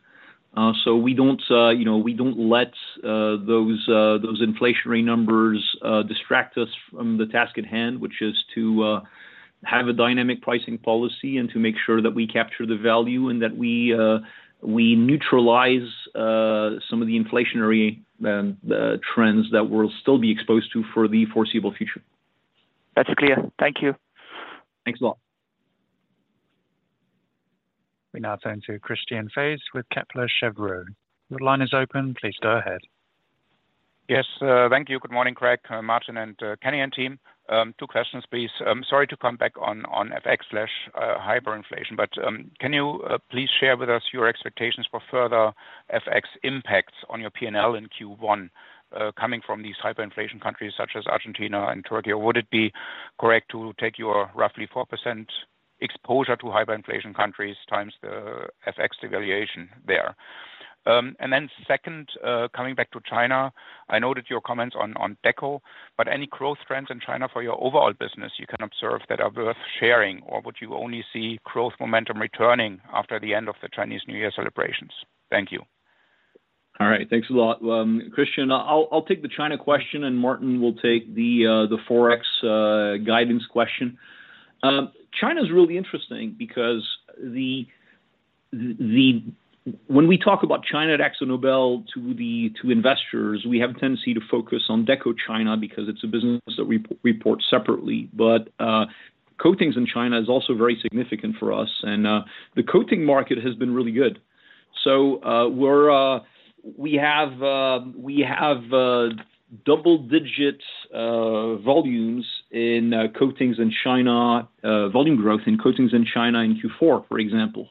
C: So we don't, you know, we don't let those inflationary numbers distract us from the task at hand, which is to have a dynamic pricing policy and to make sure that we capture the value and that we neutralize some of the inflationary trends that we'll still be exposed to for the foreseeable future.
J: That's clear. Thank you.
C: Thanks a lot.
A: We now turn to Christian Faitz with Kepler Cheuvreux. Your line is open. Please go ahead.
K: Yes, thank you. Good morning, Greg, Maarten, and Kenny, and team. Two questions, please. Sorry to come back on on FX hyperinflation, but can you please share with us your expectations for further FX impacts on your P&L in Q1 coming from these hyperinflation countries such as Argentina and Turkey? Or would it be correct to take your roughly 4% exposure to hyperinflation countries times the FX devaluation there? And then second, coming back to China, I noted your comments on on Deco, but any growth trends in China for your overall business you can observe that are worth sharing, or would you only see growth momentum returning after the end of the Chinese New Year celebrations? Thank you.
C: All right, thanks a lot. Christian, I'll take the China question, and Maarten will take the Forex guidance question. China's really interesting because the when we talk about China at AkzoNobel to the investors, we have a tendency to focus on Deco China because it's a business that we report separately. But Coatings in China is also very significant for us, and the coating market has been really good. So we have double-digit volume growth in coatings in China in Q4, for example.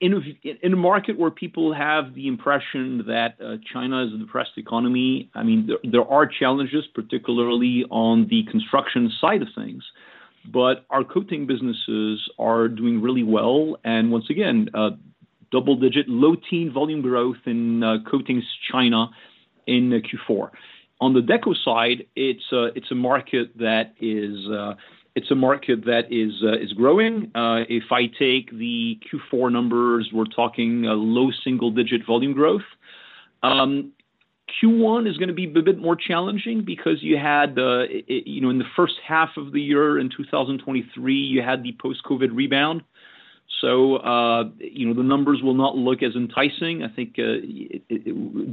C: In a market where people have the impression that China is a depressed economy, I mean, there are challenges, particularly on the construction side of things, but our coating businesses are doing really well, and once again, double-digit, low-teens volume growth in Coatings China in Q4. On the Deco side, it's a market that is growing. If I take the Q4 numbers, we're talking a low-single-digit volume growth. Q1 is gonna be a bit more challenging because you had, you know, in the first half of the year, in 2023, you had the post-COVID rebound. You know, the numbers will not look as enticing, I think,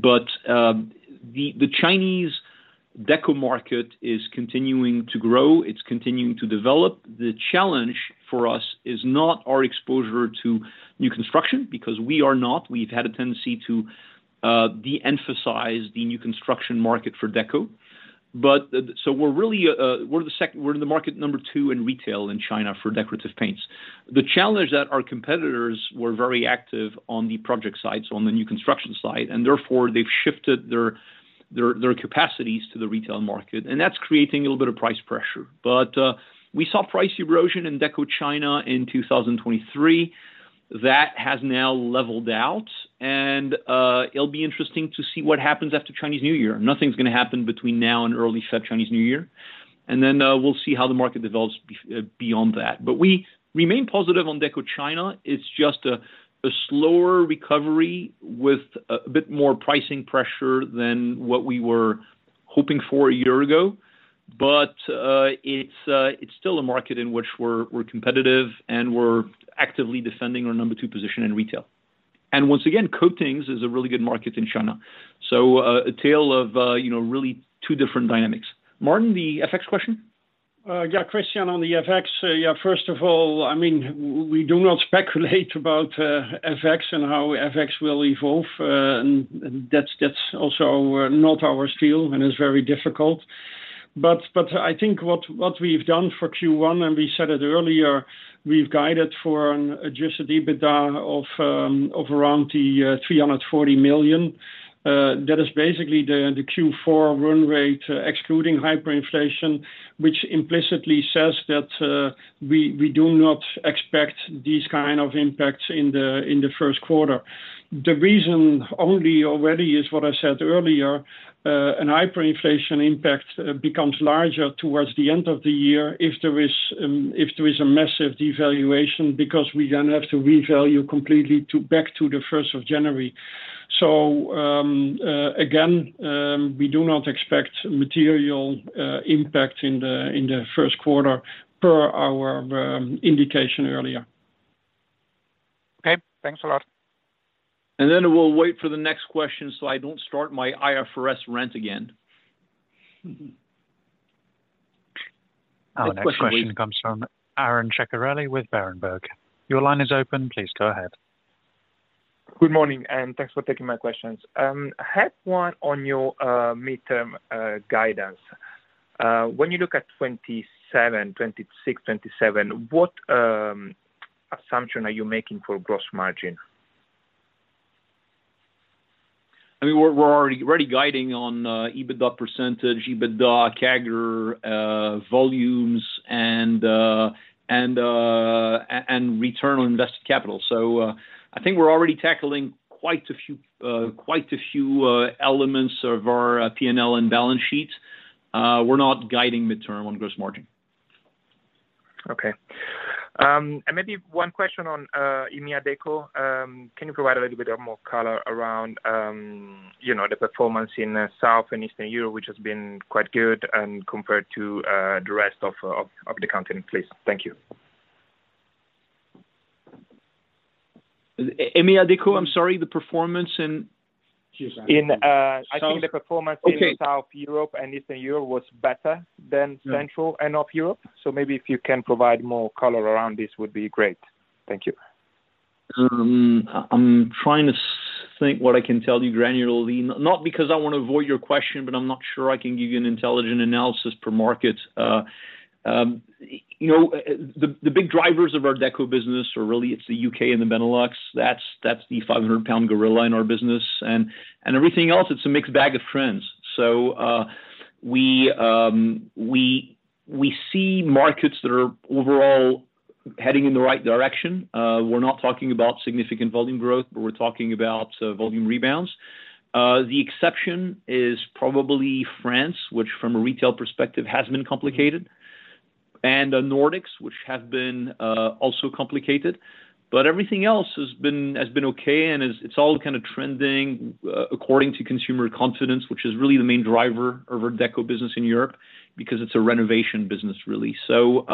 C: but the Chinese Deco market is continuing to grow; it's continuing to develop. The challenge for us is not our exposure to new construction, because we are not. We've had a tendency to de-emphasize the new construction market for Deco. But, we're really, we're the market number two in retail in China for decorative paints. The challenge that our competitors were very active on the project side, so on the new construction side, and therefore, they've shifted their capacities to the retail market, and that's creating a little bit of price pressure. But, we saw price erosion in Deco China in 2023. That has now leveled out, and it'll be interesting to see what happens after Chinese New Year. Nothing's gonna happen between now and early February, Chinese New Year, and then we'll see how the market develops beyond that. But we remain positive on Deco China. It's just a slower recovery with a bit more pricing pressure than what we were hoping for a year ago. But it's still a market in which we're competitive, and we're actively defending our number two position in retail. And once again, Coatings is a really good market in China. So a tale of, you know, really two different dynamics. Maarten, the FX question?
D: Yeah, Christian, on the FX. Yeah, first of all, I mean, we do not speculate about FX and how FX will evolve, and that's also not our spiel, and it's very difficult. But I think what we've done for Q1, and we said it earlier, we've guided for an Adjusted EBITDA of around 340 million. That is basically the Q4 run rate, excluding hyperinflation, which implicitly says that we do not expect these kind of impacts in the first quarter. The reason only already is what I said earlier, an hyperinflation impact becomes larger towards the end of the year if there is a massive devaluation, because we then have to revalue completely back to the first of January. So, again, we do not expect material impact in the first quarter per our indication earlier.
K: Okay, thanks a lot.
C: And then we'll wait for the next question, so I don't start my IFRS rant again.
A: Our next question comes from Aron Ceccarelli with Berenberg. Your line is open. Please go ahead.
L: Good morning, and thanks for taking my questions. I had one on your midterm guidance. When you look at 2026-2027, what assumption are you making for gross margin?
C: I mean, we're already guiding on EBITDA percentage, EBITDA CAGR, volumes, and return on invested capital. So, I think we're already tackling quite a few elements of our P&L and balance sheet. We're not guiding midterm on gross margin.
L: Okay. And maybe one question on EMEA Deco. Can you provide a little bit of more color around, you know, the performance in South and Eastern Europe, which has been quite good and compared to the rest of the continent, please? Thank you.
C: EMEA Deco, I'm sorry, the performance in...?
L: In, I think the performance-
C: Okay
L: In South Europe and Eastern Europe was better than Central and North Europe. Maybe if you can provide more color around this would be great. Thank you.
C: I'm trying to think what I can tell you granularly, not because I want to avoid your question, but I'm not sure I can give you an intelligent analysis per market. You know, the big drivers of our Deco business are really, it's the U.K. and the Benelux. That's the 500 lbs gorilla in our business, and everything else, it's a mixed bag of trends. So, we see markets that are overall heading in the right direction. We're not talking about significant volume growth, but we're talking about volume rebounds. The exception is probably France, which, from a retail perspective, has been complicated... and the Nordics, which have been also complicated. Everything else has been okay, and it's all kind of trending according to consumer confidence, which is really the main driver of our Deco business in Europe, because it's a renovation business, really. So,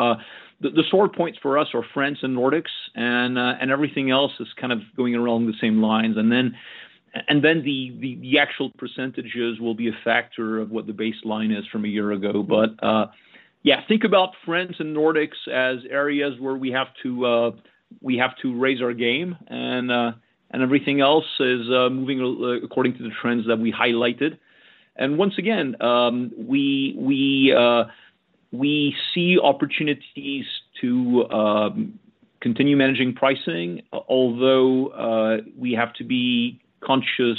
C: the sore points for us are France and Nordics, and everything else is kind of going along the same lines. And then the actual percentages will be a factor of what the baseline is from a year ago. But yeah, think about France and Nordics as areas where we have to raise our game, and everything else is moving according to the trends that we highlighted. Once again, we see opportunities to continue managing pricing, although we have to be conscious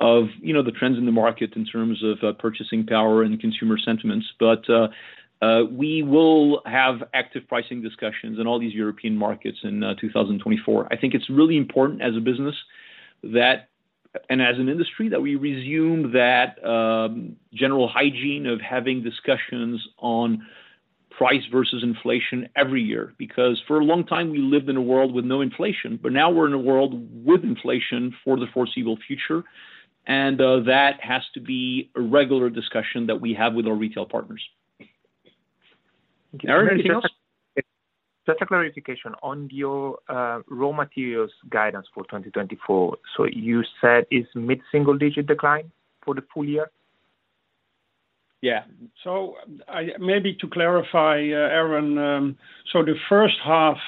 C: of, you know, the trends in the market in terms of purchasing power and consumer sentiments. But we will have active pricing discussions in all these European markets in 2024. I think it's really important as a business that and as an industry, that we resume that general hygiene of having discussions on price versus inflation every year. Because for a long time, we lived in a world with no inflation, but now we're in a world with inflation for the foreseeable future, and that has to be a regular discussion that we have with our retail partners. Aron, anything else?
L: Just a clarification. On your, raw materials guidance for 2024, so you said it's mid-single-digit decline for the full year?
C: Yeah.
D: Maybe to clarify, Aron, so the first half,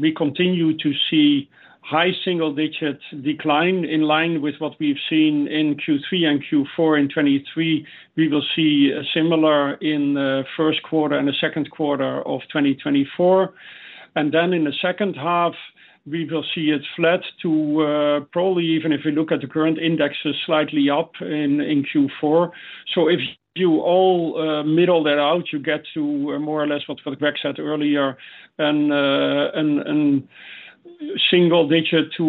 D: we continue to see high single digits decline in line with what we've seen in Q3 and Q4 in 2023. We will see a similar in the first quarter and the second quarter of 2024. And then in the second half, we will see it flat to, probably even if we look at the current indexes, slightly up in Q4. So if you all, middle that out, you get to more or less what Greg said earlier, and single digit to...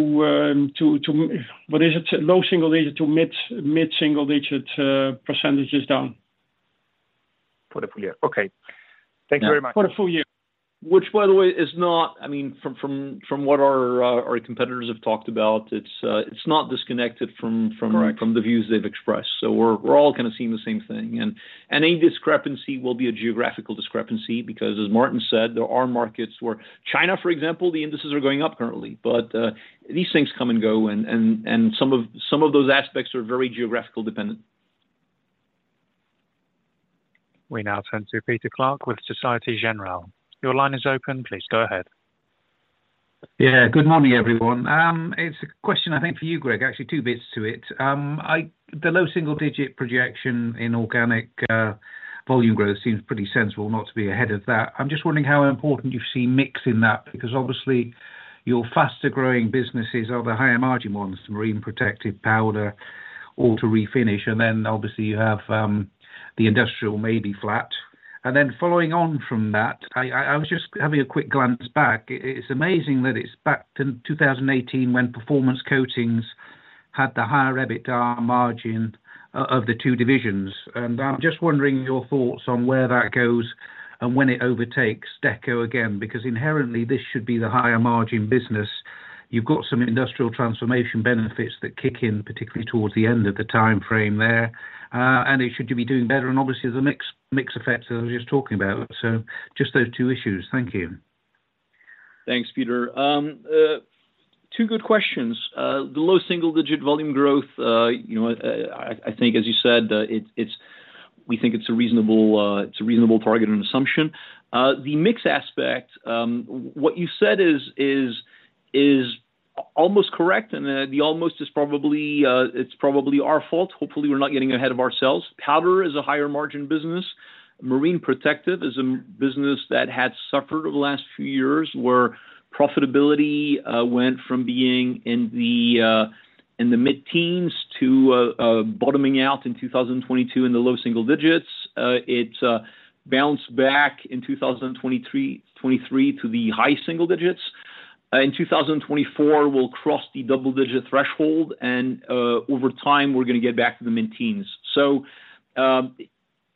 D: What is it? Low single digit to mid single digit percentages down.
L: For the full year. Okay. Thank you very much. [crosstalk]
D: Yeah, for the full year.
C: Which, by the way, is not—I mean, from what our competitors have talked about, it's not disconnected from the views they've expressed. So we're all kind of seeing the same thing. And any discrepancy will be a geographical discrepancy, because as Maarten said, there are markets where China, for example, the indices are going up currently. But these things come and go, and some of those aspects are very geographical dependent.
A: We now turn to Peter Clark with Société Générale. Your line is open, please go ahead.
M: Yeah, good morning, everyone. It's a question I think for you, Greg, actually two bits to it. The low single-digit projection in organic volume growth seems pretty sensible not to be ahead of that. I'm just wondering how important you see mix in that, because obviously, your faster-growing businesses are the higher margin ones, marine protective, powder, auto refinish, and then obviously you have the industrial maybe flat. And then following on from that, I was just having a quick glance back. It's amazing that it's back to 2018, when performance coatings had the higher EBITDA margin of the two divisions. And I'm just wondering your thoughts on where that goes and when it overtakes Deco again, because inherently, this should be the higher margin business. You've got some industrial transformation benefits that kick in, particularly towards the end of the time frame there. And it should be doing better, and obviously, the mix, mix effect, as I was just talking about. So just those two issues. Thank you.
C: Thanks, Peter. Two good questions. The low single-digit volume growth, you know, I think, as you said, it's-- we think it's a reasonable target and assumption. The mix aspect, what you said is almost correct, and the almost is probably our fault. Hopefully, we're not getting ahead of ourselves. Powder is a higher margin business. Marine and Protective is a margin business that had suffered over the last few years, where profitability went from being in the mid-teens to bottoming out in 2022 in the low single digits. It bounced back in 2023 to the high single digits. In 2024, we'll cross the double-digit threshold, and over time, we're gonna get back to the mid-teens. So, you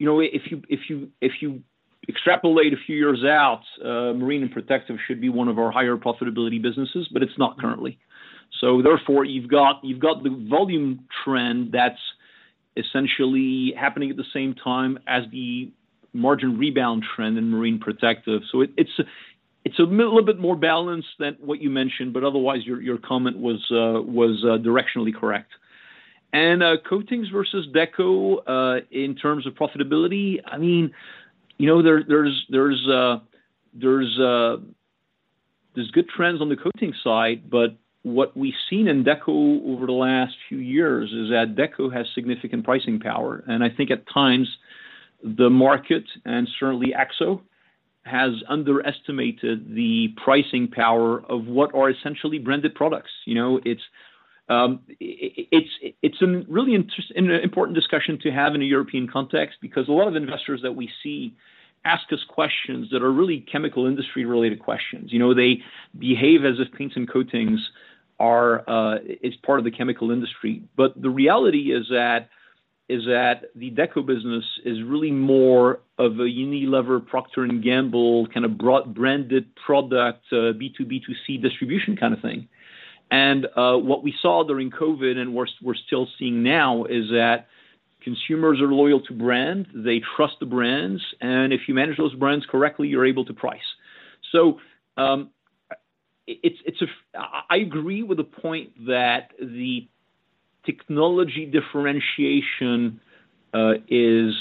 C: know, if you extrapolate a few years Marine and Protective should be one of our higher profitability businesses, but it's not currently. So therefore, you've got the volume trend that's essentially happening at the same time as the margin rebound trend in Marine and Protective. So it's a little bit more balanced than what you mentioned, but otherwise, your comment was directionally correct. And Coatings versus Deco, in terms of profitability, I mean, you know, there's good trends on the Coatings side, but what we've seen in Deco over the last few years is that Deco has significant pricing power. I think at times, the market, and certainly Akzo, has underestimated the pricing power of what are essentially branded products. You know, it's a really important discussion to have in a European context, because a lot of investors that we see ask us questions that are really chemical industry-related questions. You know, they behave as if paints and coatings are part of the chemical industry. But the reality is that the deco business is really more of a Unilever, Procter & Gamble, kind of broad branded product, B2B, B2C distribution kind of thing. And what we saw during COVID, and we're still seeing now, is that consumers are loyal to brand, they trust the brands, and if you manage those brands correctly, you're able to price. I agree with the point that the technology differentiation is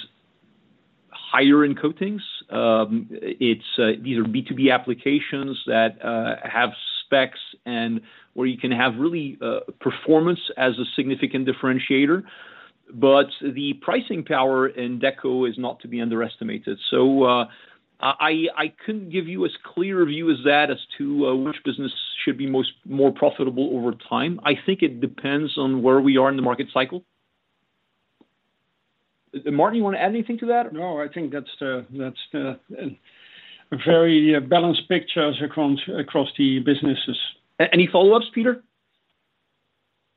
C: higher in coatings. These are B2B applications that have specs and where you can have really performance as a significant differentiator, but the pricing power in deco is not to be underestimated. So, I couldn't give you as clear a view as that as to which business should be more profitable over time. I think it depends on where we are in the market cycle. Maarten, you want to add anything to that?
D: No, I think that's the, that's the, very, balanced picture across, across the businesses.
C: Any follow-ups, Peter?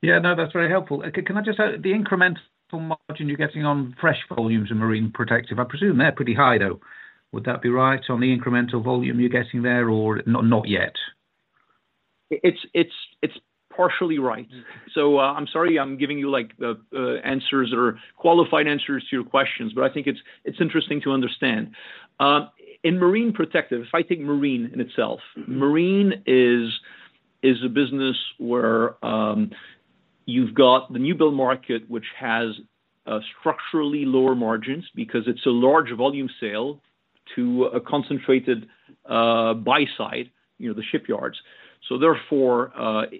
M: Yeah, no, that's very helpful. Can I just add, the incremental margin you're getting on fresh volumes in Marine and Protective, I presume they're pretty high, though. Would that be right on the incremental volume you're getting there, or not, not yet?
C: It's partially right. So, I'm sorry I'm giving you, like, answers or qualified answers to your questions, but I think it's interesting to understand. In Marine, Protective, if I take marine in itself Marine is a business where, you've got the new build market, which has, structurally lower margins because it's a large volume sale to a concentrated, buy side, you know, the shipyards. So therefore,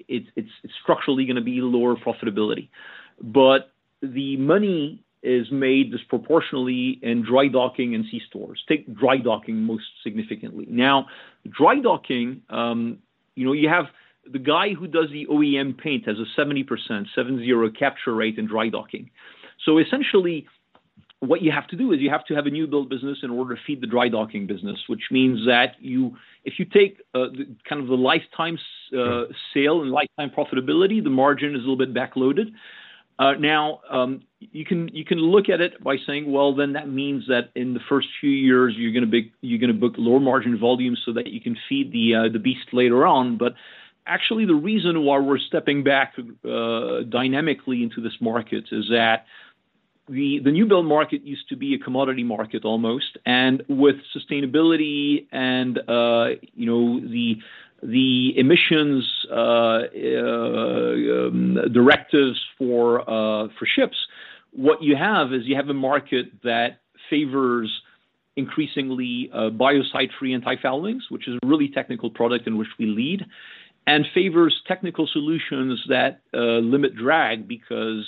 C: it's structurally gonna be lower profitability. But the money is made disproportionately in dry docking and sea stores. Take dry docking most significantly. Now, dry docking, you know, you have the guy who does the OEM paint has a 70% capture rate in dry docking. Essentially, what you have to do is you have to have a new build business in order to feed the dry docking business, which means that you-- if you take, kind of the lifetime sale and lifetime profitability, the margin is a little bit backloaded. Now, you can look at it by saying: Well, then that means that in the first few years, you're gonna book lower margin volumes so that you can feed the beast later on. Actually, the reason why we're stepping back dynamically into this market is that the new build market used to be a commodity market, almost, and with sustainability and, you know, the emissions directives for ships, what you have is you have a market that favors increasingly biocide-free antifoulings, which is a really technical product in which we lead, and favors technical solutions that limit drag because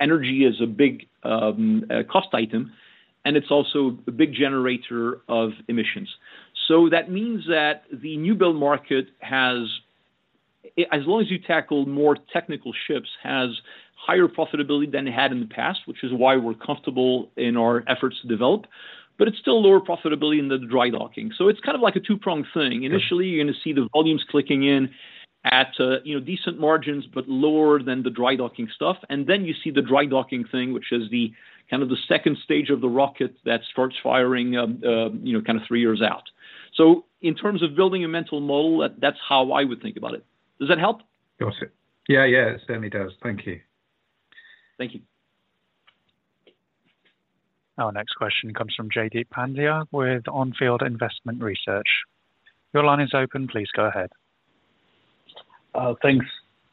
C: energy is a big cost item, and it's also a big generator of emissions. So that means that the new build market has, as long as you tackle more technical ships, higher profitability than it had in the past, which is why we're comfortable in our efforts to develop, but it's still lower profitability in the dry docking. So it's kind of like a two-pronged thing. Sure. Initially, you're gonna see the volumes clicking in at, you know, decent margins, but lower than the dry docking stuff. And then, you see the dry docking thing, which is the kind of the second stage of the rocket that starts firing, you know, kind of three years out. So in terms of building a mental model, that - that's how I would think about it. Does that help?
M: Got it. Yeah, yeah, it certainly does. Thank you.
C: Thank you.
A: Our next question comes from Jaideep Pandya, with On Field Investment Research. Your line is open. Please go ahead.
N: Thanks.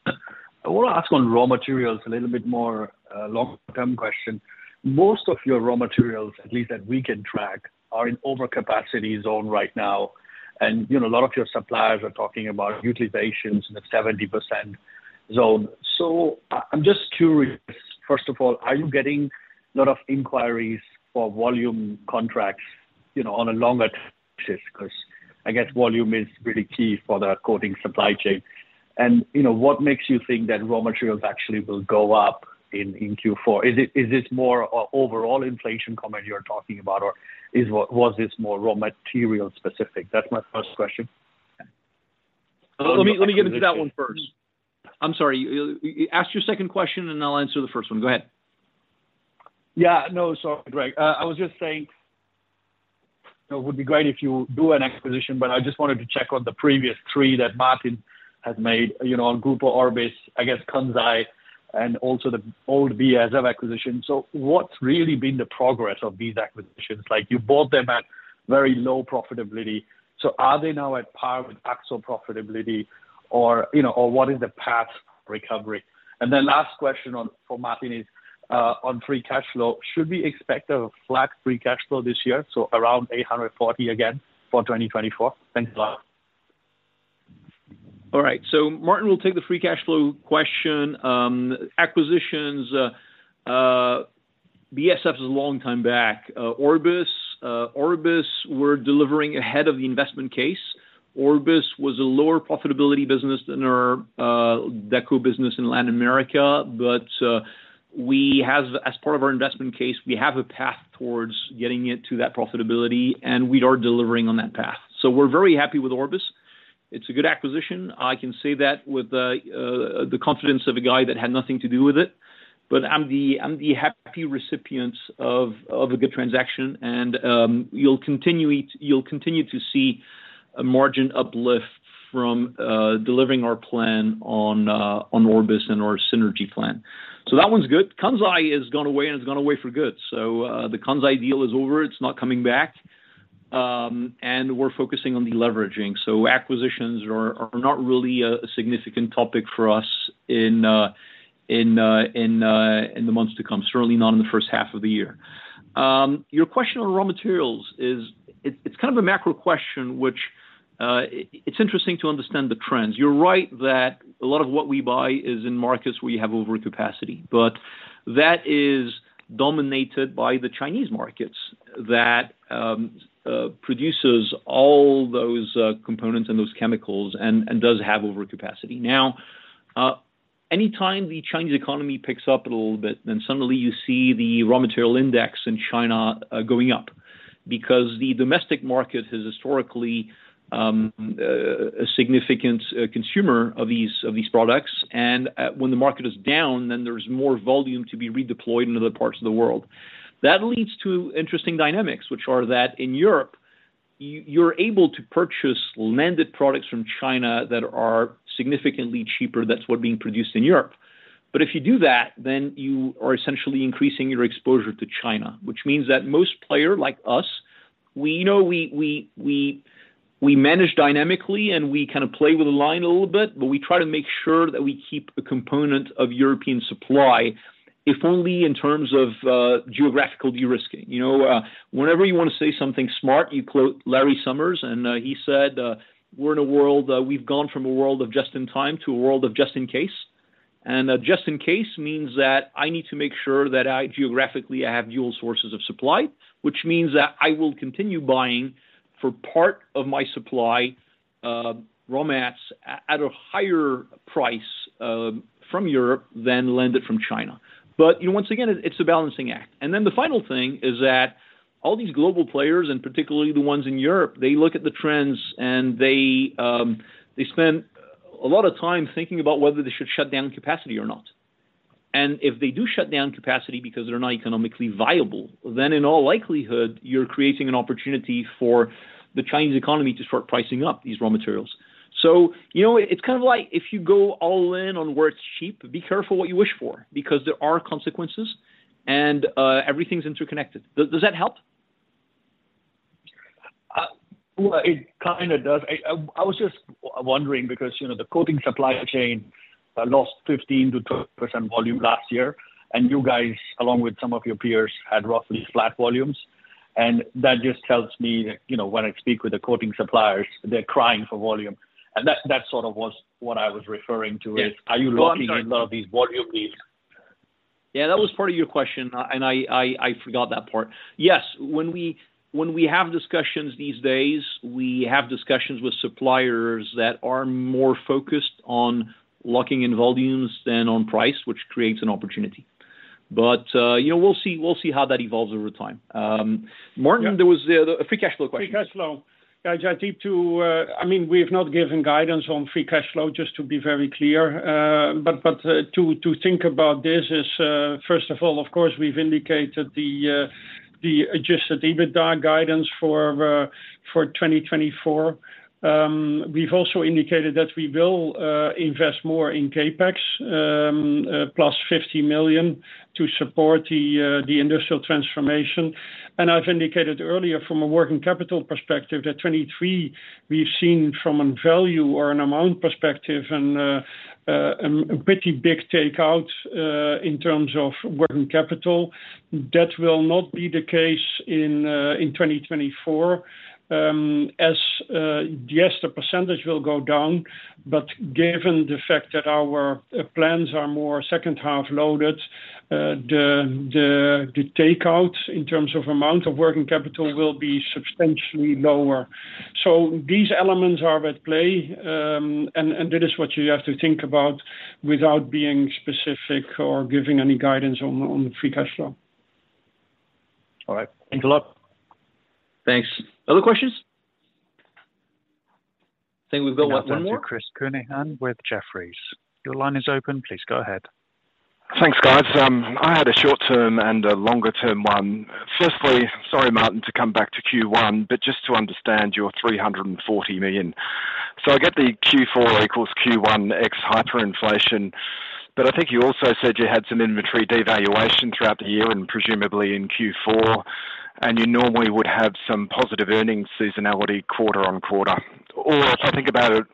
N: I want to ask on raw materials, a little bit more, long-term question. Most of your raw materials, at least that we can track, are in overcapacity zone right now, and, you know, a lot of your suppliers are talking about utilizations in the 70% zone. So I'm just curious, first of all, are you getting a lot of inquiries for volume contracts, you know, on a longer basis? Because I guess volume is really key for the coating supply chain. And, you know, what makes you think that raw materials actually will go up in Q4? Is it-- Is this more overall inflation comment you're talking about, or is, was this more raw material specific? That's my first question.
C: Let me, let me get into that one first. I'm sorry, ask your second question, and I'll answer the first one. Go ahead.
N: Yeah. No, sorry, Greg. I was just saying, it would be great if you do an acquisition, but I just wanted to check on the previous three that Maarten had made, you know, on Grupo Orbis, I guess, Kansai, and also the old BASF acquisition. So what's really been the progress of these acquisitions? Like, you bought them at very low profitability, so are they now at par with Axalta profitability or, you know, or what is the path to recovery? And then last question on, for Maarten is, on free cash flow. Should we expect a flat free cash flow this year, so around 840 million again for 2024? Thank you a lot.
C: All right, so Maarten will take the free cash flow question. Acquisitions, BASF is a long time back. Orbis, Orbis, we're delivering ahead of the investment case. Orbis was a lower profitability business than our Deco business in Latin America, but we have, as part of our investment case, we have a path towards getting it to that profitability, and we are delivering on that path. So we're very happy with Orbis. It's a good acquisition. I can say that with the confidence of a guy that had nothing to do with it. But I'm the happy recipient of a good transaction, and you'll continue to see a margin uplift from delivering our plan on Orbis and our synergy plan. So that one's good. Kansai has gone away, and it's gone away for good. So, the Kansai deal is over. It's not coming back, and we're focusing on deleveraging. So acquisitions are not really a significant topic for us in the months to come, certainly not in the first half of the year. Your question on raw materials is. It's kind of a macro question, which it's interesting to understand the trends. You're right that a lot of what we buy is in markets where you have overcapacity, but that is dominated by the Chinese markets that produces all those components and those chemicals and does have overcapacity. Now, anytime the Chinese economy picks up a little bit, then suddenly you see the raw material index in China, going up because the domestic market is historically, a significant, consumer of these, of these products, and, when the market is down, then there's more volume to be redeployed in other parts of the world. That leads to interesting dynamics, which are that in Europe, you're able to purchase landed products from China that are significantly cheaper, that's what being produced in Europe. If you do that, then you are essentially increasing your exposure to China, which means that most player like us, we know we manage dynamically, and we kind of play with the line a little bit, but we try to make sure that we keep a component of European supply, if only in terms of geographical de-risking. You know, whenever you want to say something smart, you quote Larry Summers, and he said, "We're in a world, we've gone from a world of just in time to a world of just in case." And just in case means that I need to make sure that I geographically, I have dual sources of supply, which means that I will continue buying for part of my supply, raw mats at a higher price from Europe than landed from China. You know, once again, it's a balancing act. And then the final thing is that all these global players, and particularly the ones in Europe, they look at the trends, and they spend a lot of time thinking about whether they should shut down capacity or not. And if they do shut down capacity because they're not economically viable, then in all likelihood, you're creating an opportunity for the Chinese economy to start pricing up these raw materials. So you know, it's kind of like if you go all in on where it's cheap, be careful what you wish for because there are consequences, and everything's interconnected. Does that help?
N: Well, it kind of does. I, I was just wondering because, you know, the coating supply chain lost 15%-20% volume last year, and you guys, along with some of your peers, had roughly flat volumes. And that just tells me, you know, when I speak with the coating suppliers, they're crying for volume. And that, that sort of was what I was referring to is [crosstalk]
C: Yeah.
N: Are you looking [crosstalk] for these volume needs?
C: Yeah, that was part of your question, and I forgot that part. Yes, when we have discussions these days, we have discussions with suppliers that are more focused on locking in volumes than on price, which creates an opportunity. But, you know, we'll see how that evolves over time. Maarten, there was a free cash flow question [crosstalk]
D: Free cash flow. Yeah, Jaap, I mean, we've not given guidance on free cash flow, just to be very clear. But to think about this is, first of all, of course, we've indicated the adjusted EBITDA guidance for 2024. We've also indicated that we will invest more in CapEx, +50 million to support the industrial transformation. And I've indicated earlier from a working capital perspective, that 2023, we've seen from a value or an amount perspective and a pretty big takeout in terms of working capital. That will not be the case in 2024.Yes, the percentage will go down, but given the fact that our plans are more second half loaded, the takeout in terms of amount of working capital will be substantially lower. So these elements are at play, and that is what you have to think about without being specific or giving any guidance on the free cash flow.
N: All right. Thanks a lot.
C: Thanks. Other questions?
B: I think we've got one more.
A: Chris Counihan with Jefferies. Your line is open. Please go ahead.
O: Thanks, guys. I had a short term and a longer-term one. Firstly, sorry, Maarten, to come back to Q1, but just to understand your 340 million. So I get the Q4 equals Q1 ex hyperinflation, but I think you also said you had some inventory devaluation throughout the year and presumably in Q4, and you normally would have some positive earnings seasonality quarter-on-quarter. Or if I think about it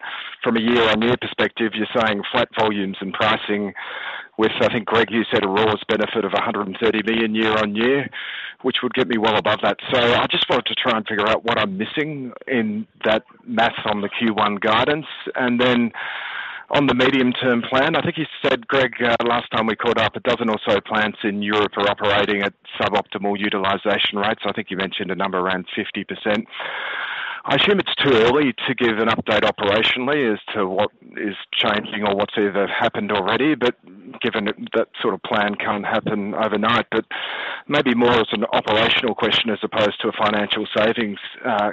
O: from a year-on-year perspective, you're saying flat volumes and pricing, which I think, Greg, you said a raws benefit of 130 million year-on-year, which would get me well above that. So I just wanted to try and figure out what I'm missing in that math on the Q1 guidance. Then on the medium-term plan, I think you said, Greg, last time we caught up, a dozen or so plants in Europe are operating at suboptimal utilization rates. I think you mentioned a number around 50%. I assume it's too early to give an update operationally as to what is changing or what's either happened already, but given that that sort of plan can't happen overnight, but maybe more as an operational question as opposed to a financial savings,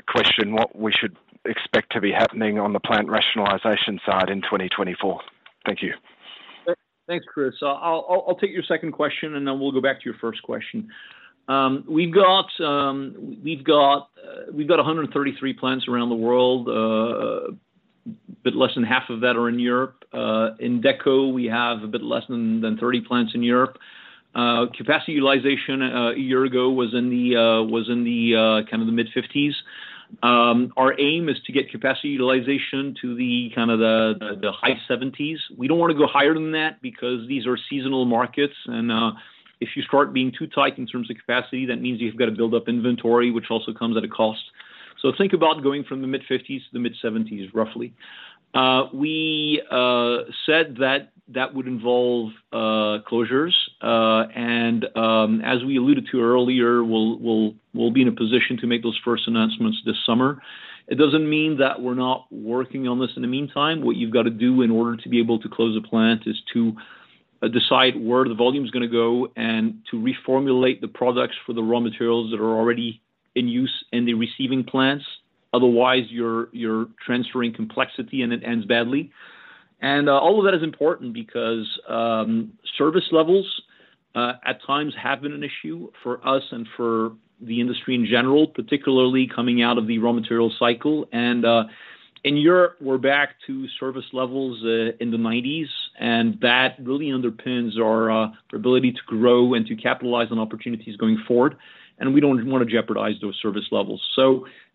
O: question, what we should expect to be happening on the plant rationalization side in 2024? Thank you.
C: Thanks, Chris. So I'll take your second question, and then we'll go back to your first question. We've got 133 plants around the world. A bit less than half of that are in Europe. In Deco, we have a bit less than 30 plants in Europe. Capacity utilization a year ago was in the kind of mid-50s. Our aim is to get capacity utilization to the kind of high 70s. We don't want to go higher than that because these are seasonal markets, and if you start being too tight in terms of capacity, that means you've got to build up inventory, which also comes at a cost. So think about going from the mid-50s to the mid-70s, roughly. We said that that would involve closures, and as we alluded to earlier, we'll be in a position to make those first announcements this summer. It doesn't mean that we're not working on this in the meantime. What you've got to do in order to be able to close a plant is to decide where the volume is gonna go and to reformulate the products for the raw materials that are already in use in the receiving plants. Otherwise, you're transferring complexity, and it ends badly. And all of that is important because service levels at times have been an issue for us and for the industry in general, particularly coming out of the raw material cycle. In Europe, we're back to service levels in the nineties, and that really underpins our ability to grow and to capitalize on opportunities going forward, and we don't want to jeopardize those service levels.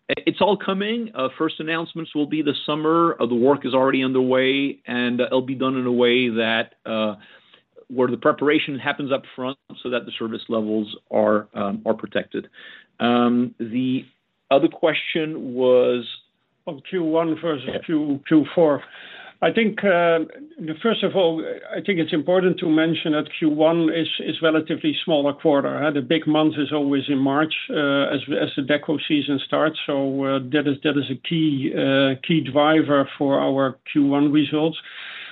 C: It's all coming. First announcements will be this summer. The work is already underway, and it'll be done in a way that where the preparation happens up front so that the service levels are protected. The other question was-
D: On Q1 versus-Yeah Q4. I think, first of all, I think it's important to mention that Q1 is a relatively smaller quarter. The big month is always in March, as the Deco season starts. So, that is a key driver for our Q1 results.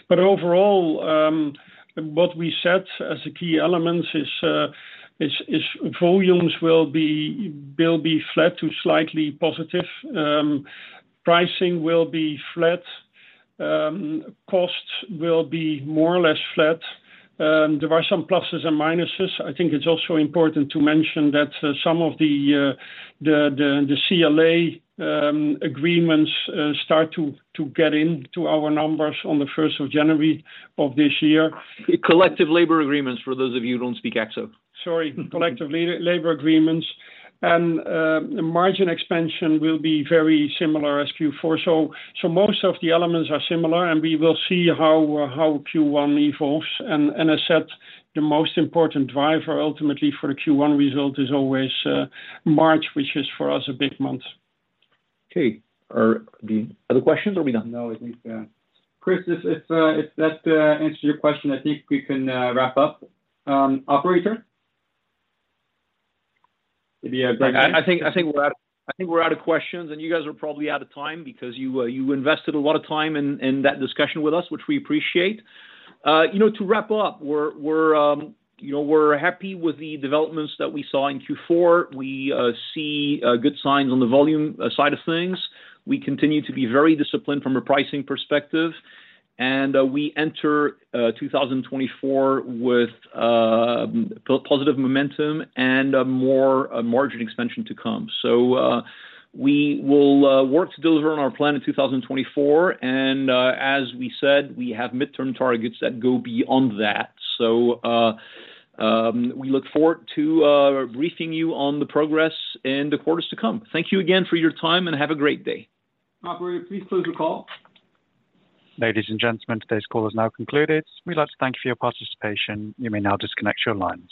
D: But overall, what we set as the key elements is volumes will be flat to slightly positive. Pricing will be flat. Costs will be more or less flat. There are some pluses and minuses. I think it's also important to mention that some of the CLA agreements start to get into our numbers on the first of January of this year.
C: Collective labor agreements, for those of you who don't speak Akzo.
D: Sorry. Collective Labor Agreements. And, margin expansion will be very similar as Q4. So, so most of the elements are similar, and we will see how, how Q1 evolves. And, and I said, the most important driver ultimately for a Q1 result is always, March, which is for us, a big month.
C: Okay. Are the other questions or are we done?
B: No, I think, Chris, if that answers your question, I think we can wrap up. Operator? If you have [crosstalk]
C: I think we're out of questions, and you guys are probably out of time because you invested a lot of time in that discussion with us, which we appreciate. You know, to wrap up, we're happy with the developments that we saw in Q4. We see good signs on the volume side of things. We continue to be very disciplined from a pricing perspective, and we enter 2024 with positive momentum and more margin expansion to come. So, we will work to deliver on our plan in 2024, and as we said, we have midterm targets that go beyond that. We look forward to briefing you on the progress in the quarters to come. Thank you again for your time, and have a great day.
B: Operator, please close the call.
A: Ladies and gentlemen, today's call is now concluded. We'd like to thank you for your participation. You may now disconnect your lines.